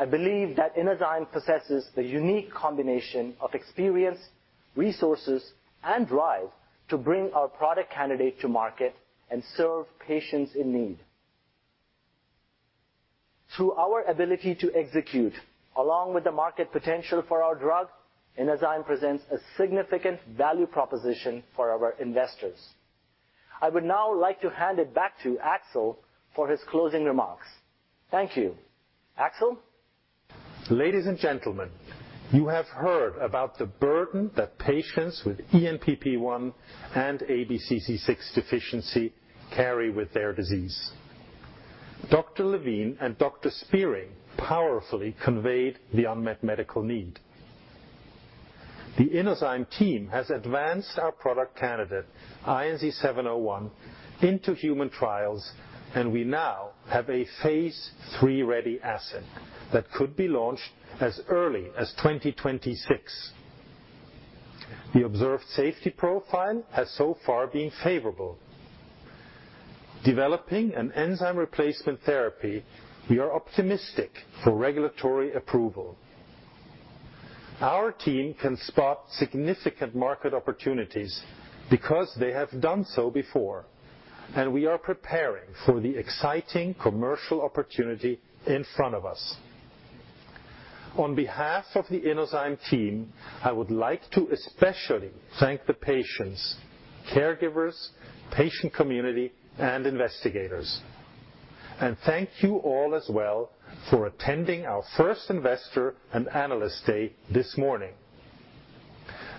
Speaker 10: I believe that Inozyme possesses the unique combination of experience, resources, and drive to bring our product candidate to market and serve patients in need. Through our ability to execute, along with the market potential for our drug, Inozyme presents a significant value proposition for our investors. I would now like to hand it back to Axel for his closing remarks. Thank you. Axel?
Speaker 2: Ladies and gentlemen, you have heard about the burden that patients with ENPP1 and ABCC6 deficiency carry with their disease. Dr. Levine and Dr. Spiering powerfully conveyed the unmet medical need. The Inozyme team has advanced our product candidate, INZ-701, into human trials. We now have a phase III-ready asset that could be launched as early as 2026. The observed safety profile has so far been favorable. Developing an enzyme replacement therapy, we are optimistic for regulatory approval. Our team can spot significant market opportunities because they have done so before. We are preparing for the exciting commercial opportunity in front of us. On behalf of the Inozyme team, I would like to especially thank the patients, caregivers, patient community, and investigators. Thank you all as well for attending our first investor and analyst day this morning.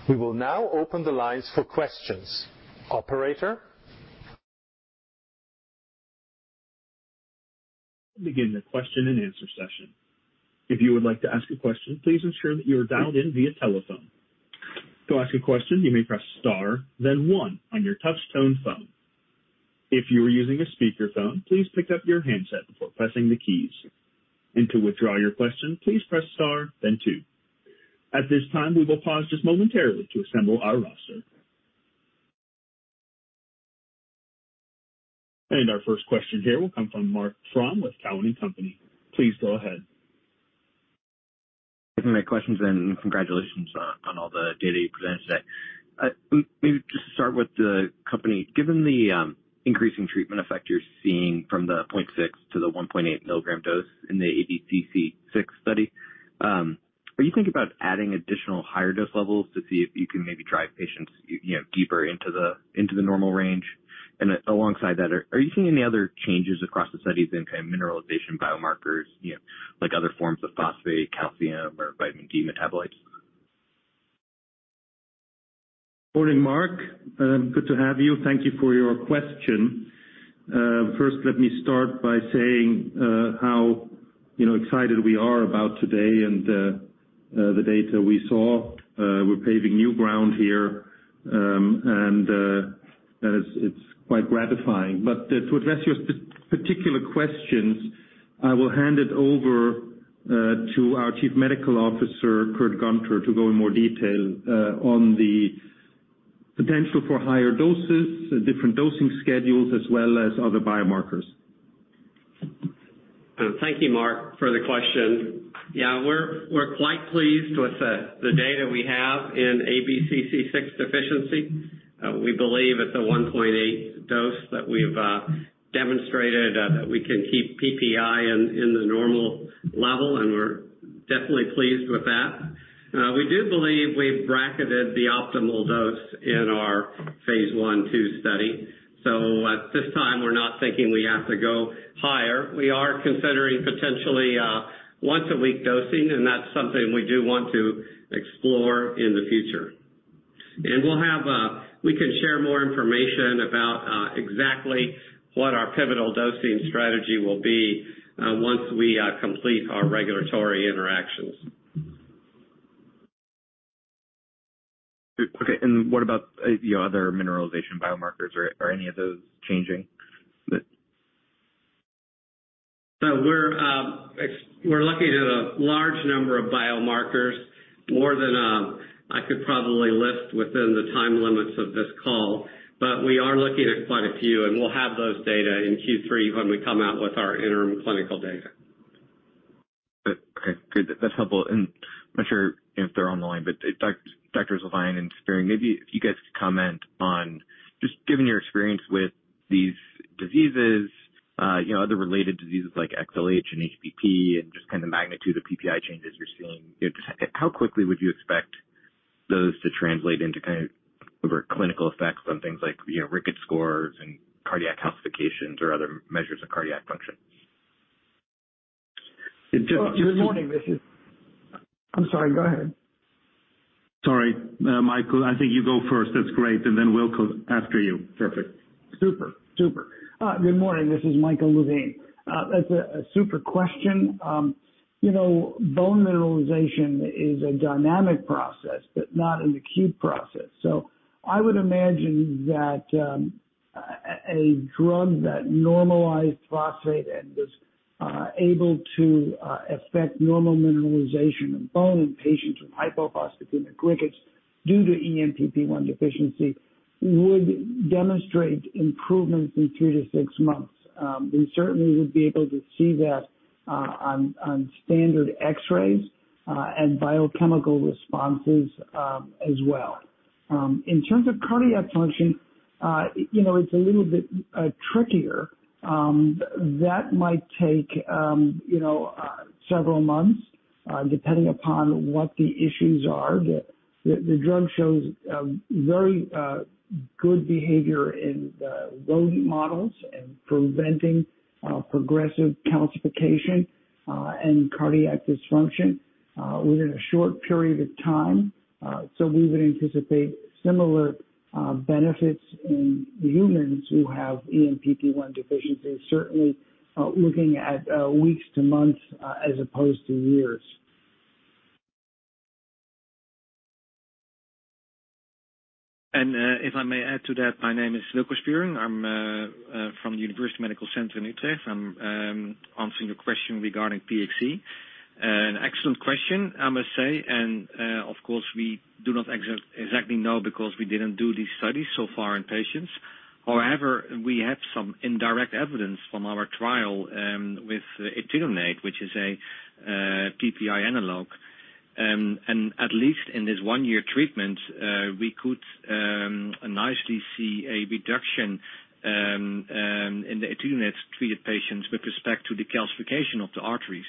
Speaker 2: We will now open the lines for questions. Operator?
Speaker 11: Begin the question-and-answer session. If you would like to ask a question, please ensure that you are dialed in via telephone. To ask a question, you may press star then one on your touchtone phone. If you are using a speakerphone, please pick up your handset before pressing the keys. To withdraw your question, please press star then two. At this time, we will pause just momentarily to assemble our roster. Our first question here will come from Marc Frahm with Cowen and Company. Please go ahead.
Speaker 12: Give my questions and congratulations on all the data you presented today. Maybe just to start with the company. Given the increasing treatment effect you're seeing from the 0.6 to the 1.8 mg dose in the ABCC6 study, are you thinking about adding additional higher dose levels to see if you can maybe drive patients, you know, deeper into the normal range? Alongside that, are you seeing any other changes across the studies in kind of mineralization biomarkers, you know, like other forms of phosphate, calcium, or vitamin D metabolites?
Speaker 2: Morning, Mark. Good to have you. Thank you for your question. First, let me start by saying, how, you know, excited we are about today and the data we saw. We're paving new ground here, and it's quite gratifying. To address your particular questions, I will hand it over to our Chief Medical Officer, Kurt Gunter, to go in more detail on the potential for higher doses, different dosing schedules, as well as other biomarkers.
Speaker 5: Thank you, Mark, for the question. Yeah, we're quite pleased with the data we have in ABCC6 deficiency. We believe at the 1.8 dose that we've demonstrated that we can keep PPI in the normal level, and we're definitely pleased with that. We do believe we've bracketed the optimal dose in our phase I-II study. At this time, we're not thinking we have to go higher. We are considering potentially once-a-week dosing, and that's something we do want to explore in the future. We'll have, we can share more information about exactly what our pivotal dosing strategy will be once we complete our regulatory interactions.
Speaker 12: Okay, what about your other mineralization biomarkers? Are any of those changing?
Speaker 5: We're looking at a large number of biomarkers, more than I could probably list within the time limits of this call. We are looking at quite a few, and we'll have those data in Q3 when we come out with our interim clinical data.
Speaker 12: Okay. Good. That's helpful. Not sure if they're on the line, but, Doctors Levine and Spiering, maybe if you guys could comment on just given your experience with these diseases, you know, other related diseases like XLH and HPP and just kind of magnitude of PPI changes you're seeing, how quickly would you expect those to translate into kind of clinical effects on things like, you know, rigid scores and cardiac calcifications or other measures of cardiac function?
Speaker 2: It just-
Speaker 3: Good morning. This is... I'm sorry, go ahead.
Speaker 2: Sorry. Michael, I think you go first. That's great. Then Wilco after you. Perfect.
Speaker 3: Super. Super. Good morning. This is Michael Levine. That's a super question. You know, bone mineralization is a dynamic process, but not an acute process. I would imagine that a drug that normalized phosphate and was able to affect normal mineralization in bone in patients with hypophosphatemic rickets due to ENPP1 deficiency would demonstrate improvements in two to six months. We certainly would be able to see that on standard x-rays and biochemical responses as well. In terms of cardiac function, you know, it's a little bit trickier. That might take, you know, several months, depending upon what the issues are. The drug shows very good behavior in the rodent models and preventing progressive calcification and cardiac dysfunction within a short period of time. We would anticipate similar benefits in humans who have ENPP1 deficiency, certainly looking at weeks to months as opposed to years.
Speaker 7: If I may add to that, my name is Wilko Spiering. I'm from the University Medical Center Utrecht. I'm answering your question regarding PXE. An excellent question, I must say. Of course, we do not exactly know because we didn't do these studies so far in patients. However, we have some indirect evidence from our trial with etidronate, which is a PPI analog. At least in this one-year treatment, we could nicely see a reduction in the etidronate treated patients with respect to the calcification of the arteries.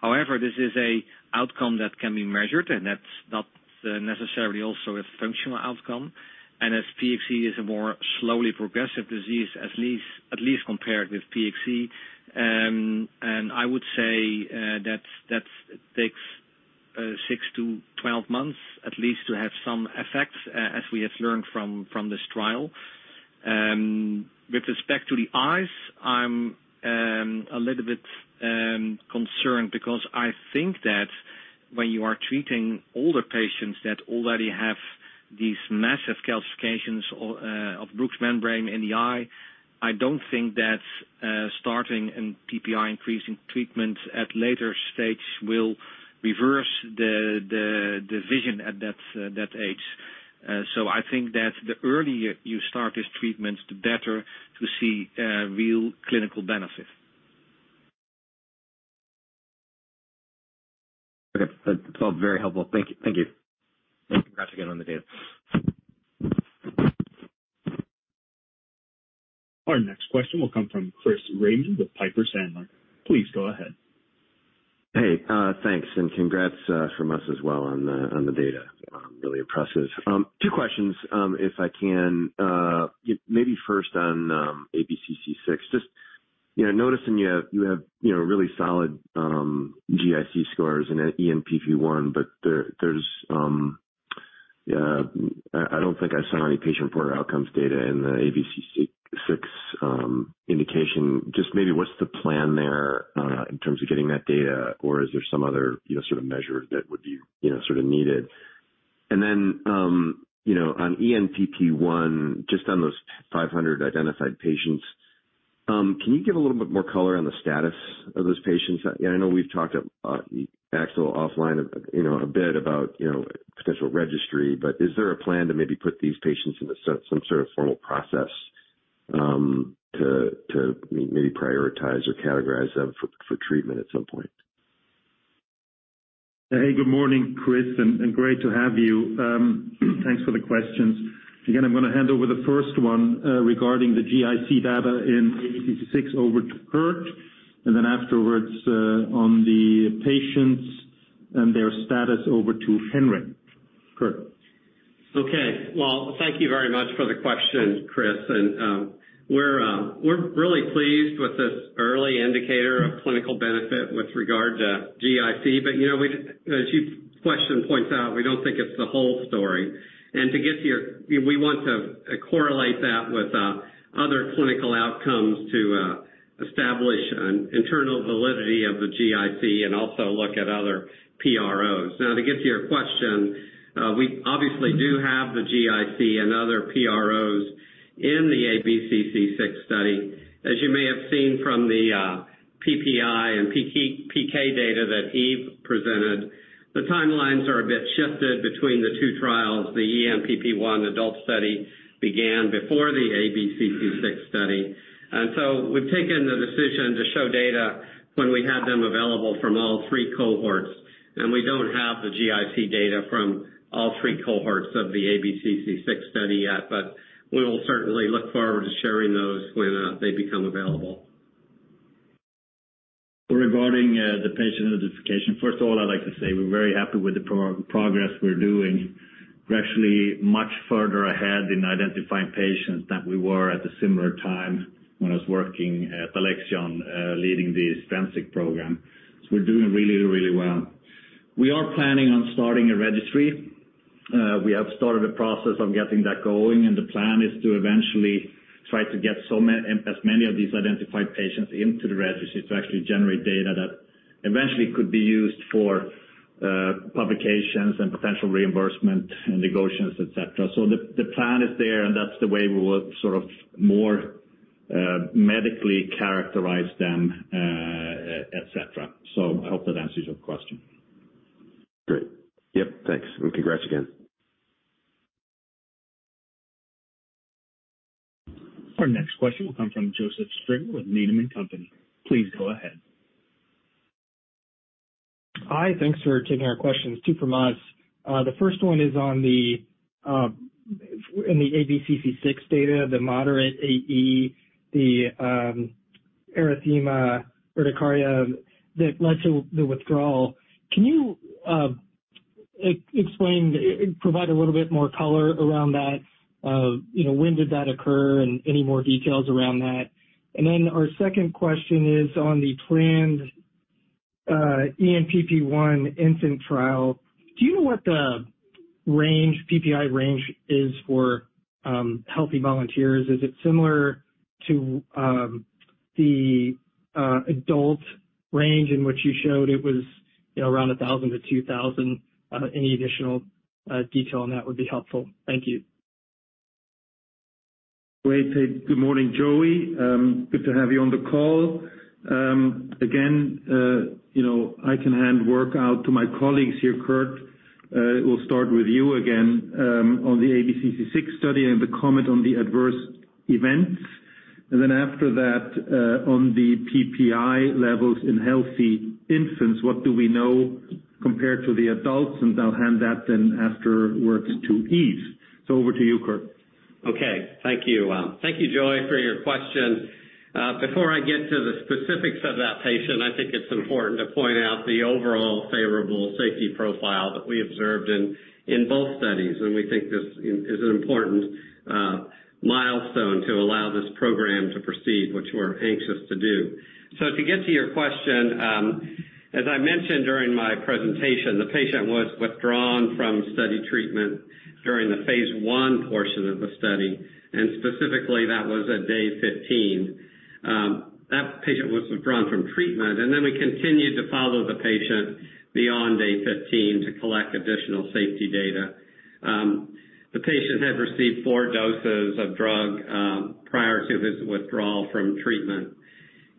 Speaker 7: However, this is an outcome that can be measured, and that's not necessarily also a functional outcome. As PXE is a more slowly progressive disease, at least compared with PXE, and I would say that takes 6-12 months at least to have some effects, as we have learned from this trial. With respect to the PXE, I'm a little bit concerned because I think that when you are treating older patients that already have these massive calcifications of Bruch's membrane in the eye, I don't think that starting and PPI increasing treatment at later stage will reverse the vision at that age. I think that the earlier you start this treatment, the better to see real clinical benefits.
Speaker 12: Okay. That's all very helpful. Thank you. Thank you. Congrats again on the data.
Speaker 11: Our next question will come from Chris Raymond with Piper Sandler. Please go ahead.
Speaker 13: Hey, thanks, congrats from us as well on the data. Really impressive. 2 questions, if I can. Maybe first on ABCC6. Just, you know, noticing you have, you know, really solid GIC scores in ENPP1, but there's, I don't think I've seen any patient quarter outcomes data in the ABCC6 indication. Just maybe what's the plan there in terms of getting that data? Is there some other, you know, sort of measure that would be, you know, sort of needed? You know, on ENPP1, just on those 500 identified patients, can you give a little bit more color on the status of those patients? I know we've talked at Axel offline, you know, a bit about, you know, potential registry, but is there a plan to maybe put these patients in some sort of formal process to maybe prioritize or categorize them for treatment at some point?
Speaker 7: Hey, good morning, Chris, and great to have you. Thanks for the questions. Again, I'm gonna hand over the first one regarding the GIC data in ABCC6 over to Kurt, and then afterwards, on the patients and their status over to Henrik. Kurt.
Speaker 5: Well, thank you very much for the question, Chris. We're really pleased with this early indicator of clinical benefit with regard to GIC. You know, as your question points out, we don't think it's the whole story. To get to your... We want to correlate that with other clinical outcomes to establish an internal validity of the GIC and also look at other PROs. To get to your question, we obviously do have the GIC and other PROs in the ABCC6 study. As you may have seen from the PPI and PK data that Yves presented, the timelines are a bit shifted between the two trials. The ENPP1 adult study began before the ABCC6 study. We've taken the decision to show data when we have them available from all three cohorts, and we don't have the GIC data from all three cohorts of the ABCC6 study yet, but we will certainly look forward to sharing those when they become available.
Speaker 7: Regarding the patient identification, first of all, I'd like to say we're very happy with the progress we're doing. We're actually much further ahead in identifying patients than we were at a similar time when I was working at Alexion, leading the Strensiq program. We're doing really well. We are planning on starting a registry. We have started a process of getting that going, the plan is to eventually try to get as many of these identified patients into the registry to actually generate data that eventually could be used for publications and potential reimbursement negotiations, et cetera. The plan is there, that's the way we will sort of more medically characterize them, et cetera. I hope that answers your question.
Speaker 13: Great. Yep. Thanks. Congrats again.
Speaker 11: Our next question will come from Joseph Stringer with Needham and Company. Please go ahead.
Speaker 14: Hi. Thanks for taking our questions. Two from us. The first one is on the ABCC6 data, the moderate AE, the erythema urticaria that led to the withdrawal. Can you explain, provide a little bit more color around that? You know, when did that occur? Any more details around that. Our second question is on the planned ENPP1 infant trial. Do you know what the range, PPI range is for healthy volunteers? Is it similar to the adult range in which you showed it was, you know, around 1,000 to 2,000? Any additional detail on that would be helpful. Thank you.
Speaker 7: Great. Good morning, Joe. good to have you on the call. again, you know, I can hand work out to my colleagues here. Kurt, we'll start with you again, on the ABCC6 study and the comment on the adverse events.
Speaker 9: After that, on the PPI levels in healthy infants, what do we know compared to the adults? I'll hand that then afterwards to Yves. Over to you, Kurt.
Speaker 5: Okay. Thank you. Thank you, Joe, for your question. Before I get to the specifics of that patient, I think it's important to point out the overall favorable safety profile that we observed in both studies. We think this is an important milestone to allow this program to proceed, which we're anxious to do. To get to your question, as I mentioned during my presentation, the patient was withdrawn from study treatment during the phase I portion of the study, and specifically, that was at day 15. That patient was withdrawn from treatment, and then we continued to follow the patient beyond day 15 to collect additional safety data. The patient had received four doses of drug prior to his withdrawal from treatment.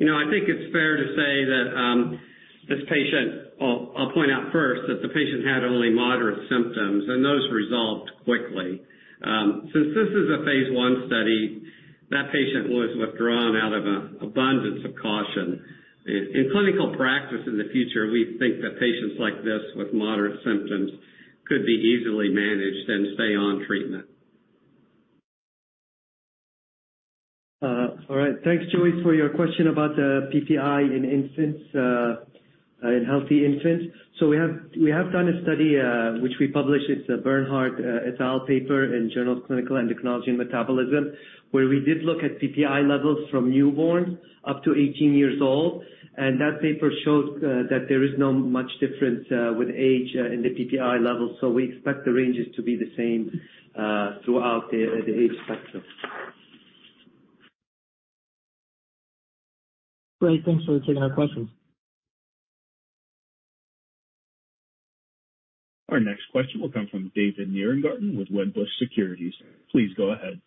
Speaker 5: You know, I think it's fair to say that this patient... I'll point out first that the patient had only moderate symptoms, and those resolved quickly. Since this is a phase I study, that patient was withdrawn out of abundance of caution. In clinical practice in the future, we think that patients like this with moderate symptoms could be easily managed and stay on treatment.
Speaker 4: All right. Thanks, Joe, for your question about the PPI in infants, in healthy infants. We have done a study, which we published. It's a Bernhardt et al. paper in The Journal of Clinical Endocrinology & Metabolism, where we did look at PPI levels from newborn up to 18 years old. That paper shows, that there is no much difference, with age in the PPI levels. We expect the ranges to be the same, throughout the age spectrum.
Speaker 14: Great. Thanks for taking our questions.
Speaker 11: Our next question will come from David Nierengarten with Wedbush Securities. Please go ahead.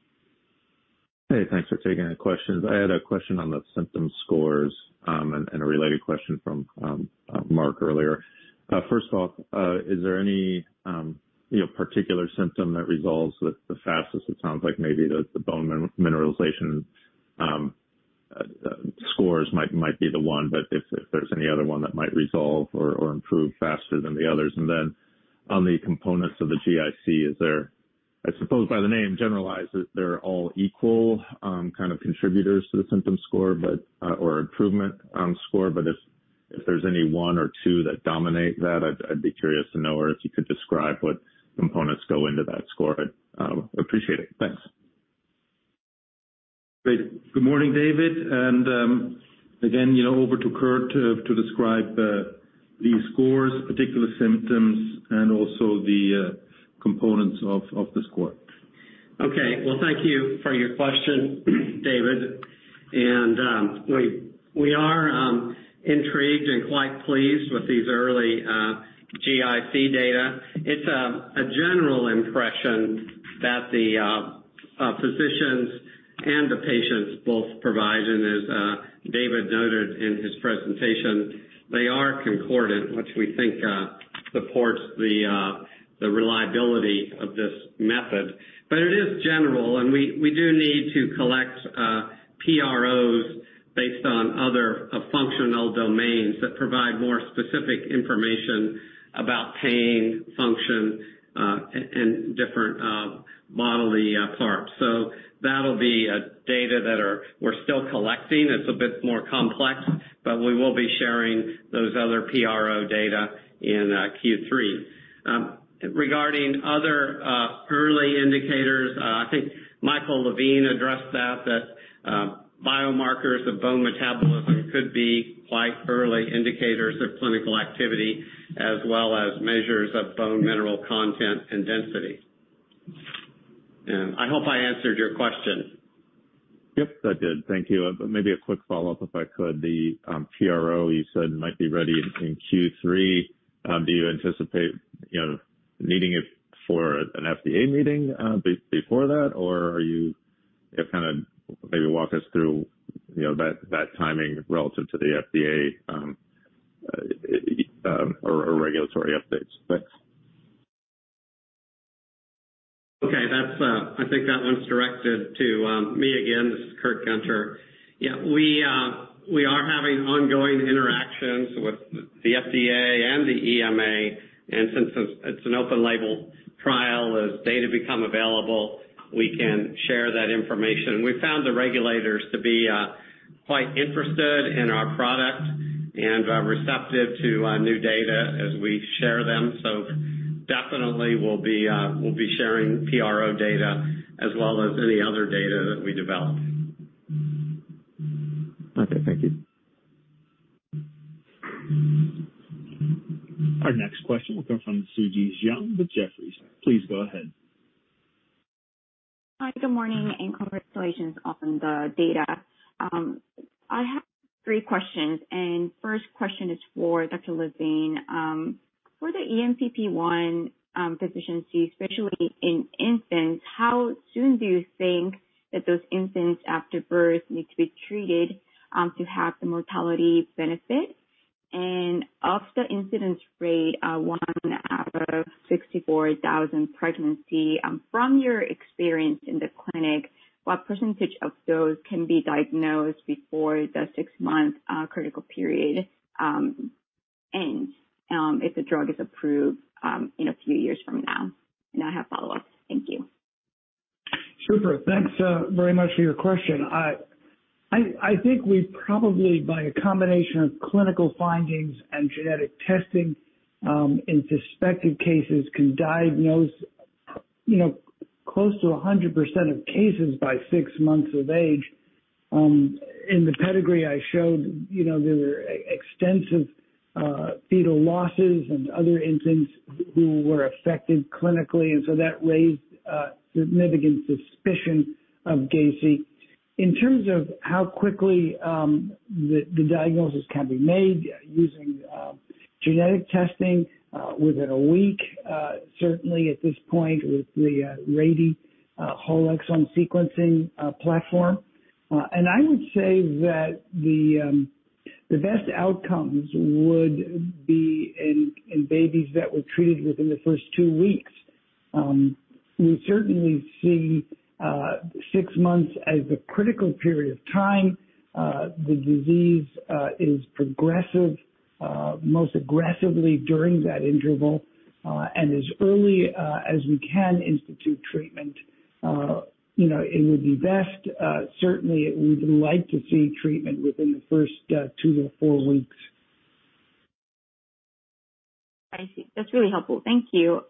Speaker 15: Hey, thanks for taking the questions. I had a question on the symptom scores, and a related question from Mark earlier. First off, is there any, you know, particular symptom that resolves with the fastest? It sounds like maybe the bone mineralization scores might be the one. But if there's any other one that might resolve or improve faster than the others? On the components of the GIC, I suppose by the name generalized that they're all equal, kind of contributors to the symptom score but, or improvement, score. But if there's any one or two that dominate that, I'd be curious to know or if you could describe what components go into that score. I'd appreciate it. Thanks.
Speaker 9: Great. Good morning, David. Again, you know, over to Kurt to describe these scores, particular symptoms, and also the components of the score.
Speaker 5: Okay. Well, thank you for your question, David. We are intrigued and quite pleased with these early GIC data. It's a general impression that the physicians and the patients both provide. As David noted in his presentation, they are concordant, which we think supports the reliability of this method. It is general, and we do need to collect PROs based on other functional domains that provide more specific information about pain, function, and different modeling parts. That'll be data that we're still collecting. It's a bit more complex, but we will be sharing those other PRO data in Q3. Regarding other, early indicators, I think Michael Levine addressed that, biomarkers of bone metabolism could be quite early indicators of clinical activity, as well as measures of bone mineral content and density. I hope I answered your question.
Speaker 15: Yep, that did. Thank you. Maybe a quick follow-up, if I could. The PRO you said might be ready in Q3. Do you anticipate, you know, needing it for an FDA meeting before that? Are you... If kind of maybe walk us through, you know, that timing relative to the FDA or regulatory updates. Thanks.
Speaker 5: Okay. That's I think that one's directed to me again. This is Kurt Gunter. Yeah. We are having ongoing interactions with the FDA and the EMA. Since it's an open label trial, as data become available, we can share that information. We found the regulators to be quite interested in our product and receptive to new data as we share them. Definitely we'll be sharing PRO data as well as any other data that we develop.
Speaker 15: Okay. Thank you.
Speaker 11: Our next question will come from Eun Yang with Jefferies. Please go ahead.
Speaker 16: Hi. Good morning, congratulations on the data. I have three questions, first question is for Dr. Levine. For the ENPP1 deficiency, especially in infants, how soon do you think that those infants after birth need to be treated to have the mortality benefit? Of the incidence rate, out of 64,000 pregnancy, from your experience in the clinic, what percentage of those can be diagnosed before the six-month critical period ends if the drug is approved in a few years from now? I have follow-up. Thank you.
Speaker 2: Super. Thanks very much for your question. I think we probably, by a combination of clinical findings and genetic testing, in suspected cases, can diagnose, you know, close to 100% of cases by six months of age. In the pedigree I showed, you know, there were extensive fetal losses and other infants who were affected clinically, that raised significant suspicion of GACI. In terms of how quickly the diagnosis can be made using genetic testing, within one week, certainly at this point with the Rady whole exome sequencing platform. I would say that the best outcomes would be in babies that were treated within the first two weeks. We certainly see six months as the critical period of time. The disease is progressive most aggressively during that interval. As early as we can institute treatment, you know, it would be best. Certainly we would like to see treatment within the first two to four weeks.
Speaker 16: I see. That's really helpful. Thank you.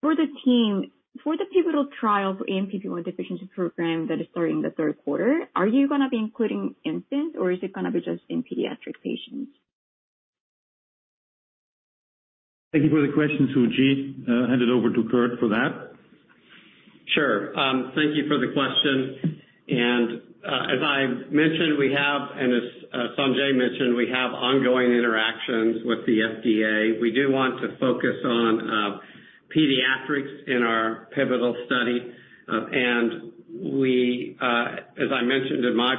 Speaker 16: For the team, for the pivotal trial for ENPP1 deficiency program that is starting the third quarter, are you gonna be including infants or is it gonna be just in pediatric patients?
Speaker 2: Thank you for the question, Suji. I'll hand it over to Kurt for that.
Speaker 5: Sure. Thank you for the question. As I mentioned, we have, and as Sanjay mentioned, we have ongoing interactions with the FDA. We do want to focus on pediatrics in our pivotal study. We, as I mentioned in my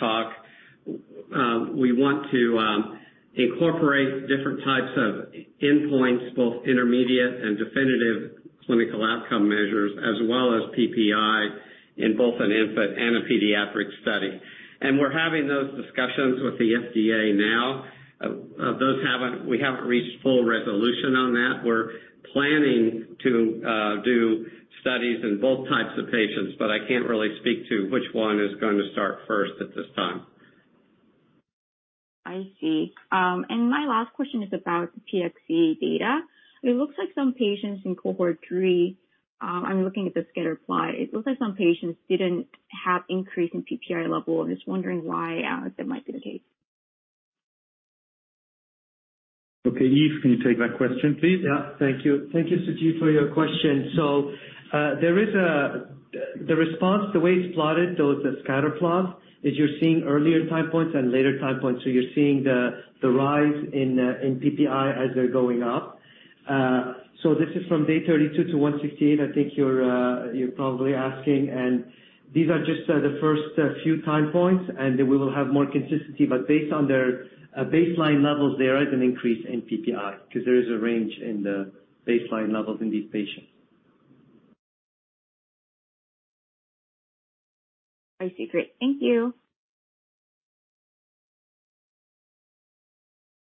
Speaker 5: talk, we want to incorporate different types of endpoints, both intermediate and definitive clinical outcome measures, as well as PPI in both an infant and a pediatric study. We're having those discussions with the FDA now. We haven't reached full resolution on that. We're planning to do studies in both types of patients, but I can't really speak to which one is going to start first at this time.
Speaker 16: I see. My last question is about the PXE data. It looks like some patients in cohort three, I'm looking at the scatter plot. It looks like some patients didn't have increase in PPI level. I'm just wondering why that might be the case.
Speaker 2: Okay, Yves, can you take that question, please?
Speaker 4: Yeah. Thank you. Thank you, Suji, for your question. The response, the way it's plotted, those are scatter plots, is you're seeing earlier time points and later time points. You're seeing the rise in PPI as they're going up. This is from day 32 to 168, I think you're probably asking, and these are just the first few time points, and then we will have more consistency. Based on their baseline levels, there is an increase in PPI because there is a range in the baseline levels in these patients.
Speaker 16: I see. Great. Thank you.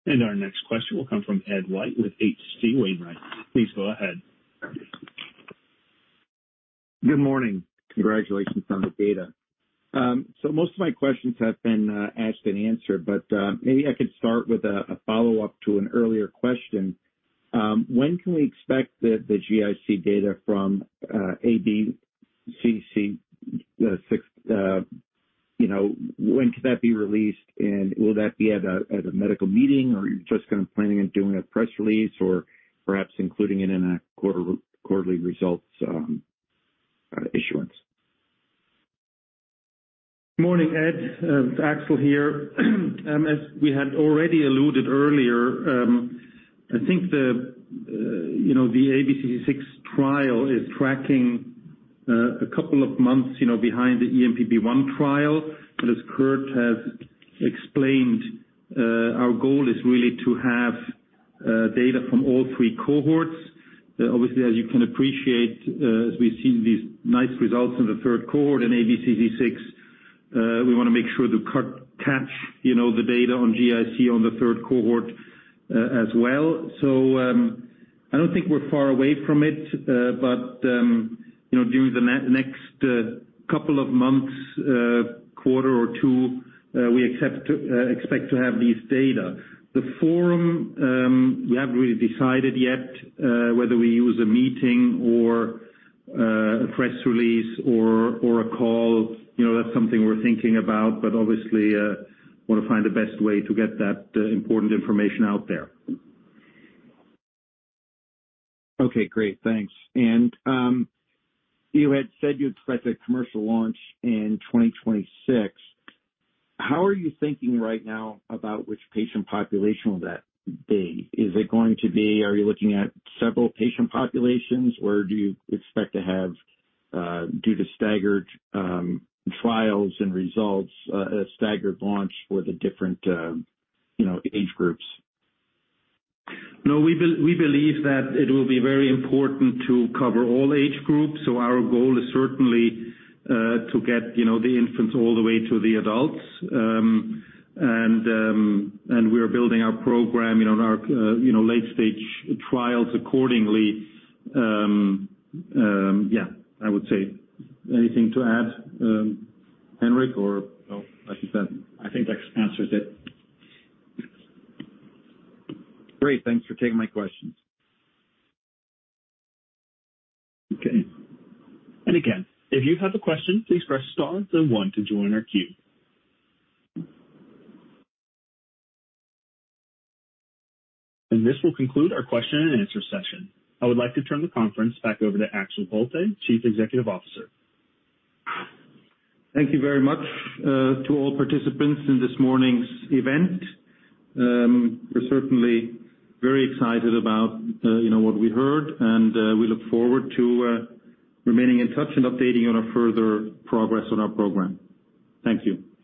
Speaker 11: Our next question will come from Ed White with H.C. Wainwright. Please go ahead.
Speaker 17: Good morning. Congratulations on the data. Most of my questions have been asked and answered, but maybe I could start with a follow-up to an earlier question. When can we expect the GIC data from ABCC6, you know, when could that be released? Will that be at a medical meeting, or are you just kind of planning on doing a press release or perhaps including it in a quarterly results issuance?
Speaker 2: Morning, Ed. Axel here. As we had already alluded earlier, I think the, you know, the ABCC6 trial is tracking 2 months, you know, behind the ENPP1 trial. As Kurt has explained, our goal is really to have data from all 3 cohorts. Obviously, as you can appreciate, as we've seen these nice results in the 3rd cohort in ABCC6, we want to make sure to catch, you know, the data on GIC on the 3rd cohort as well. I don't think we're far away from it. You know, during the next 2 months, quarter or 2, we expect to have these data. The forum, we haven't really decided yet, whether we use a meeting or a press release or a call. You know, that's something we're thinking about, but obviously, want to find the best way to get that important information out there.
Speaker 17: Okay, great. Thanks. You had said you'd expect a commercial launch in 2026. How are you thinking right now about which patient population will that be? Are you looking at several patient populations, or do you expect to have due to staggered trials and results, a staggered launch for the different, you know, age groups?
Speaker 2: We believe that it will be very important to cover all age groups. Our goal is certainly, to get, you know, the infants all the way to the adults. And we are building our program, you know, our, you know, late-stage trials accordingly. Yeah, I would say. Anything to add, Henrik, or no?
Speaker 9: I think that answers it.
Speaker 17: Great. Thanks for taking my questions.
Speaker 11: Okay. Again, if you have a question, please press star then one to join our queue. This will conclude our question and answer session. I would like to turn the conference back over to Axel Bolte, Chief Executive Officer.
Speaker 2: Thank you very much to all participants in this morning's event. We're certainly very excited about, you know, what we heard, and we look forward to remaining in touch and updating you on our further progress on our program. Thank you.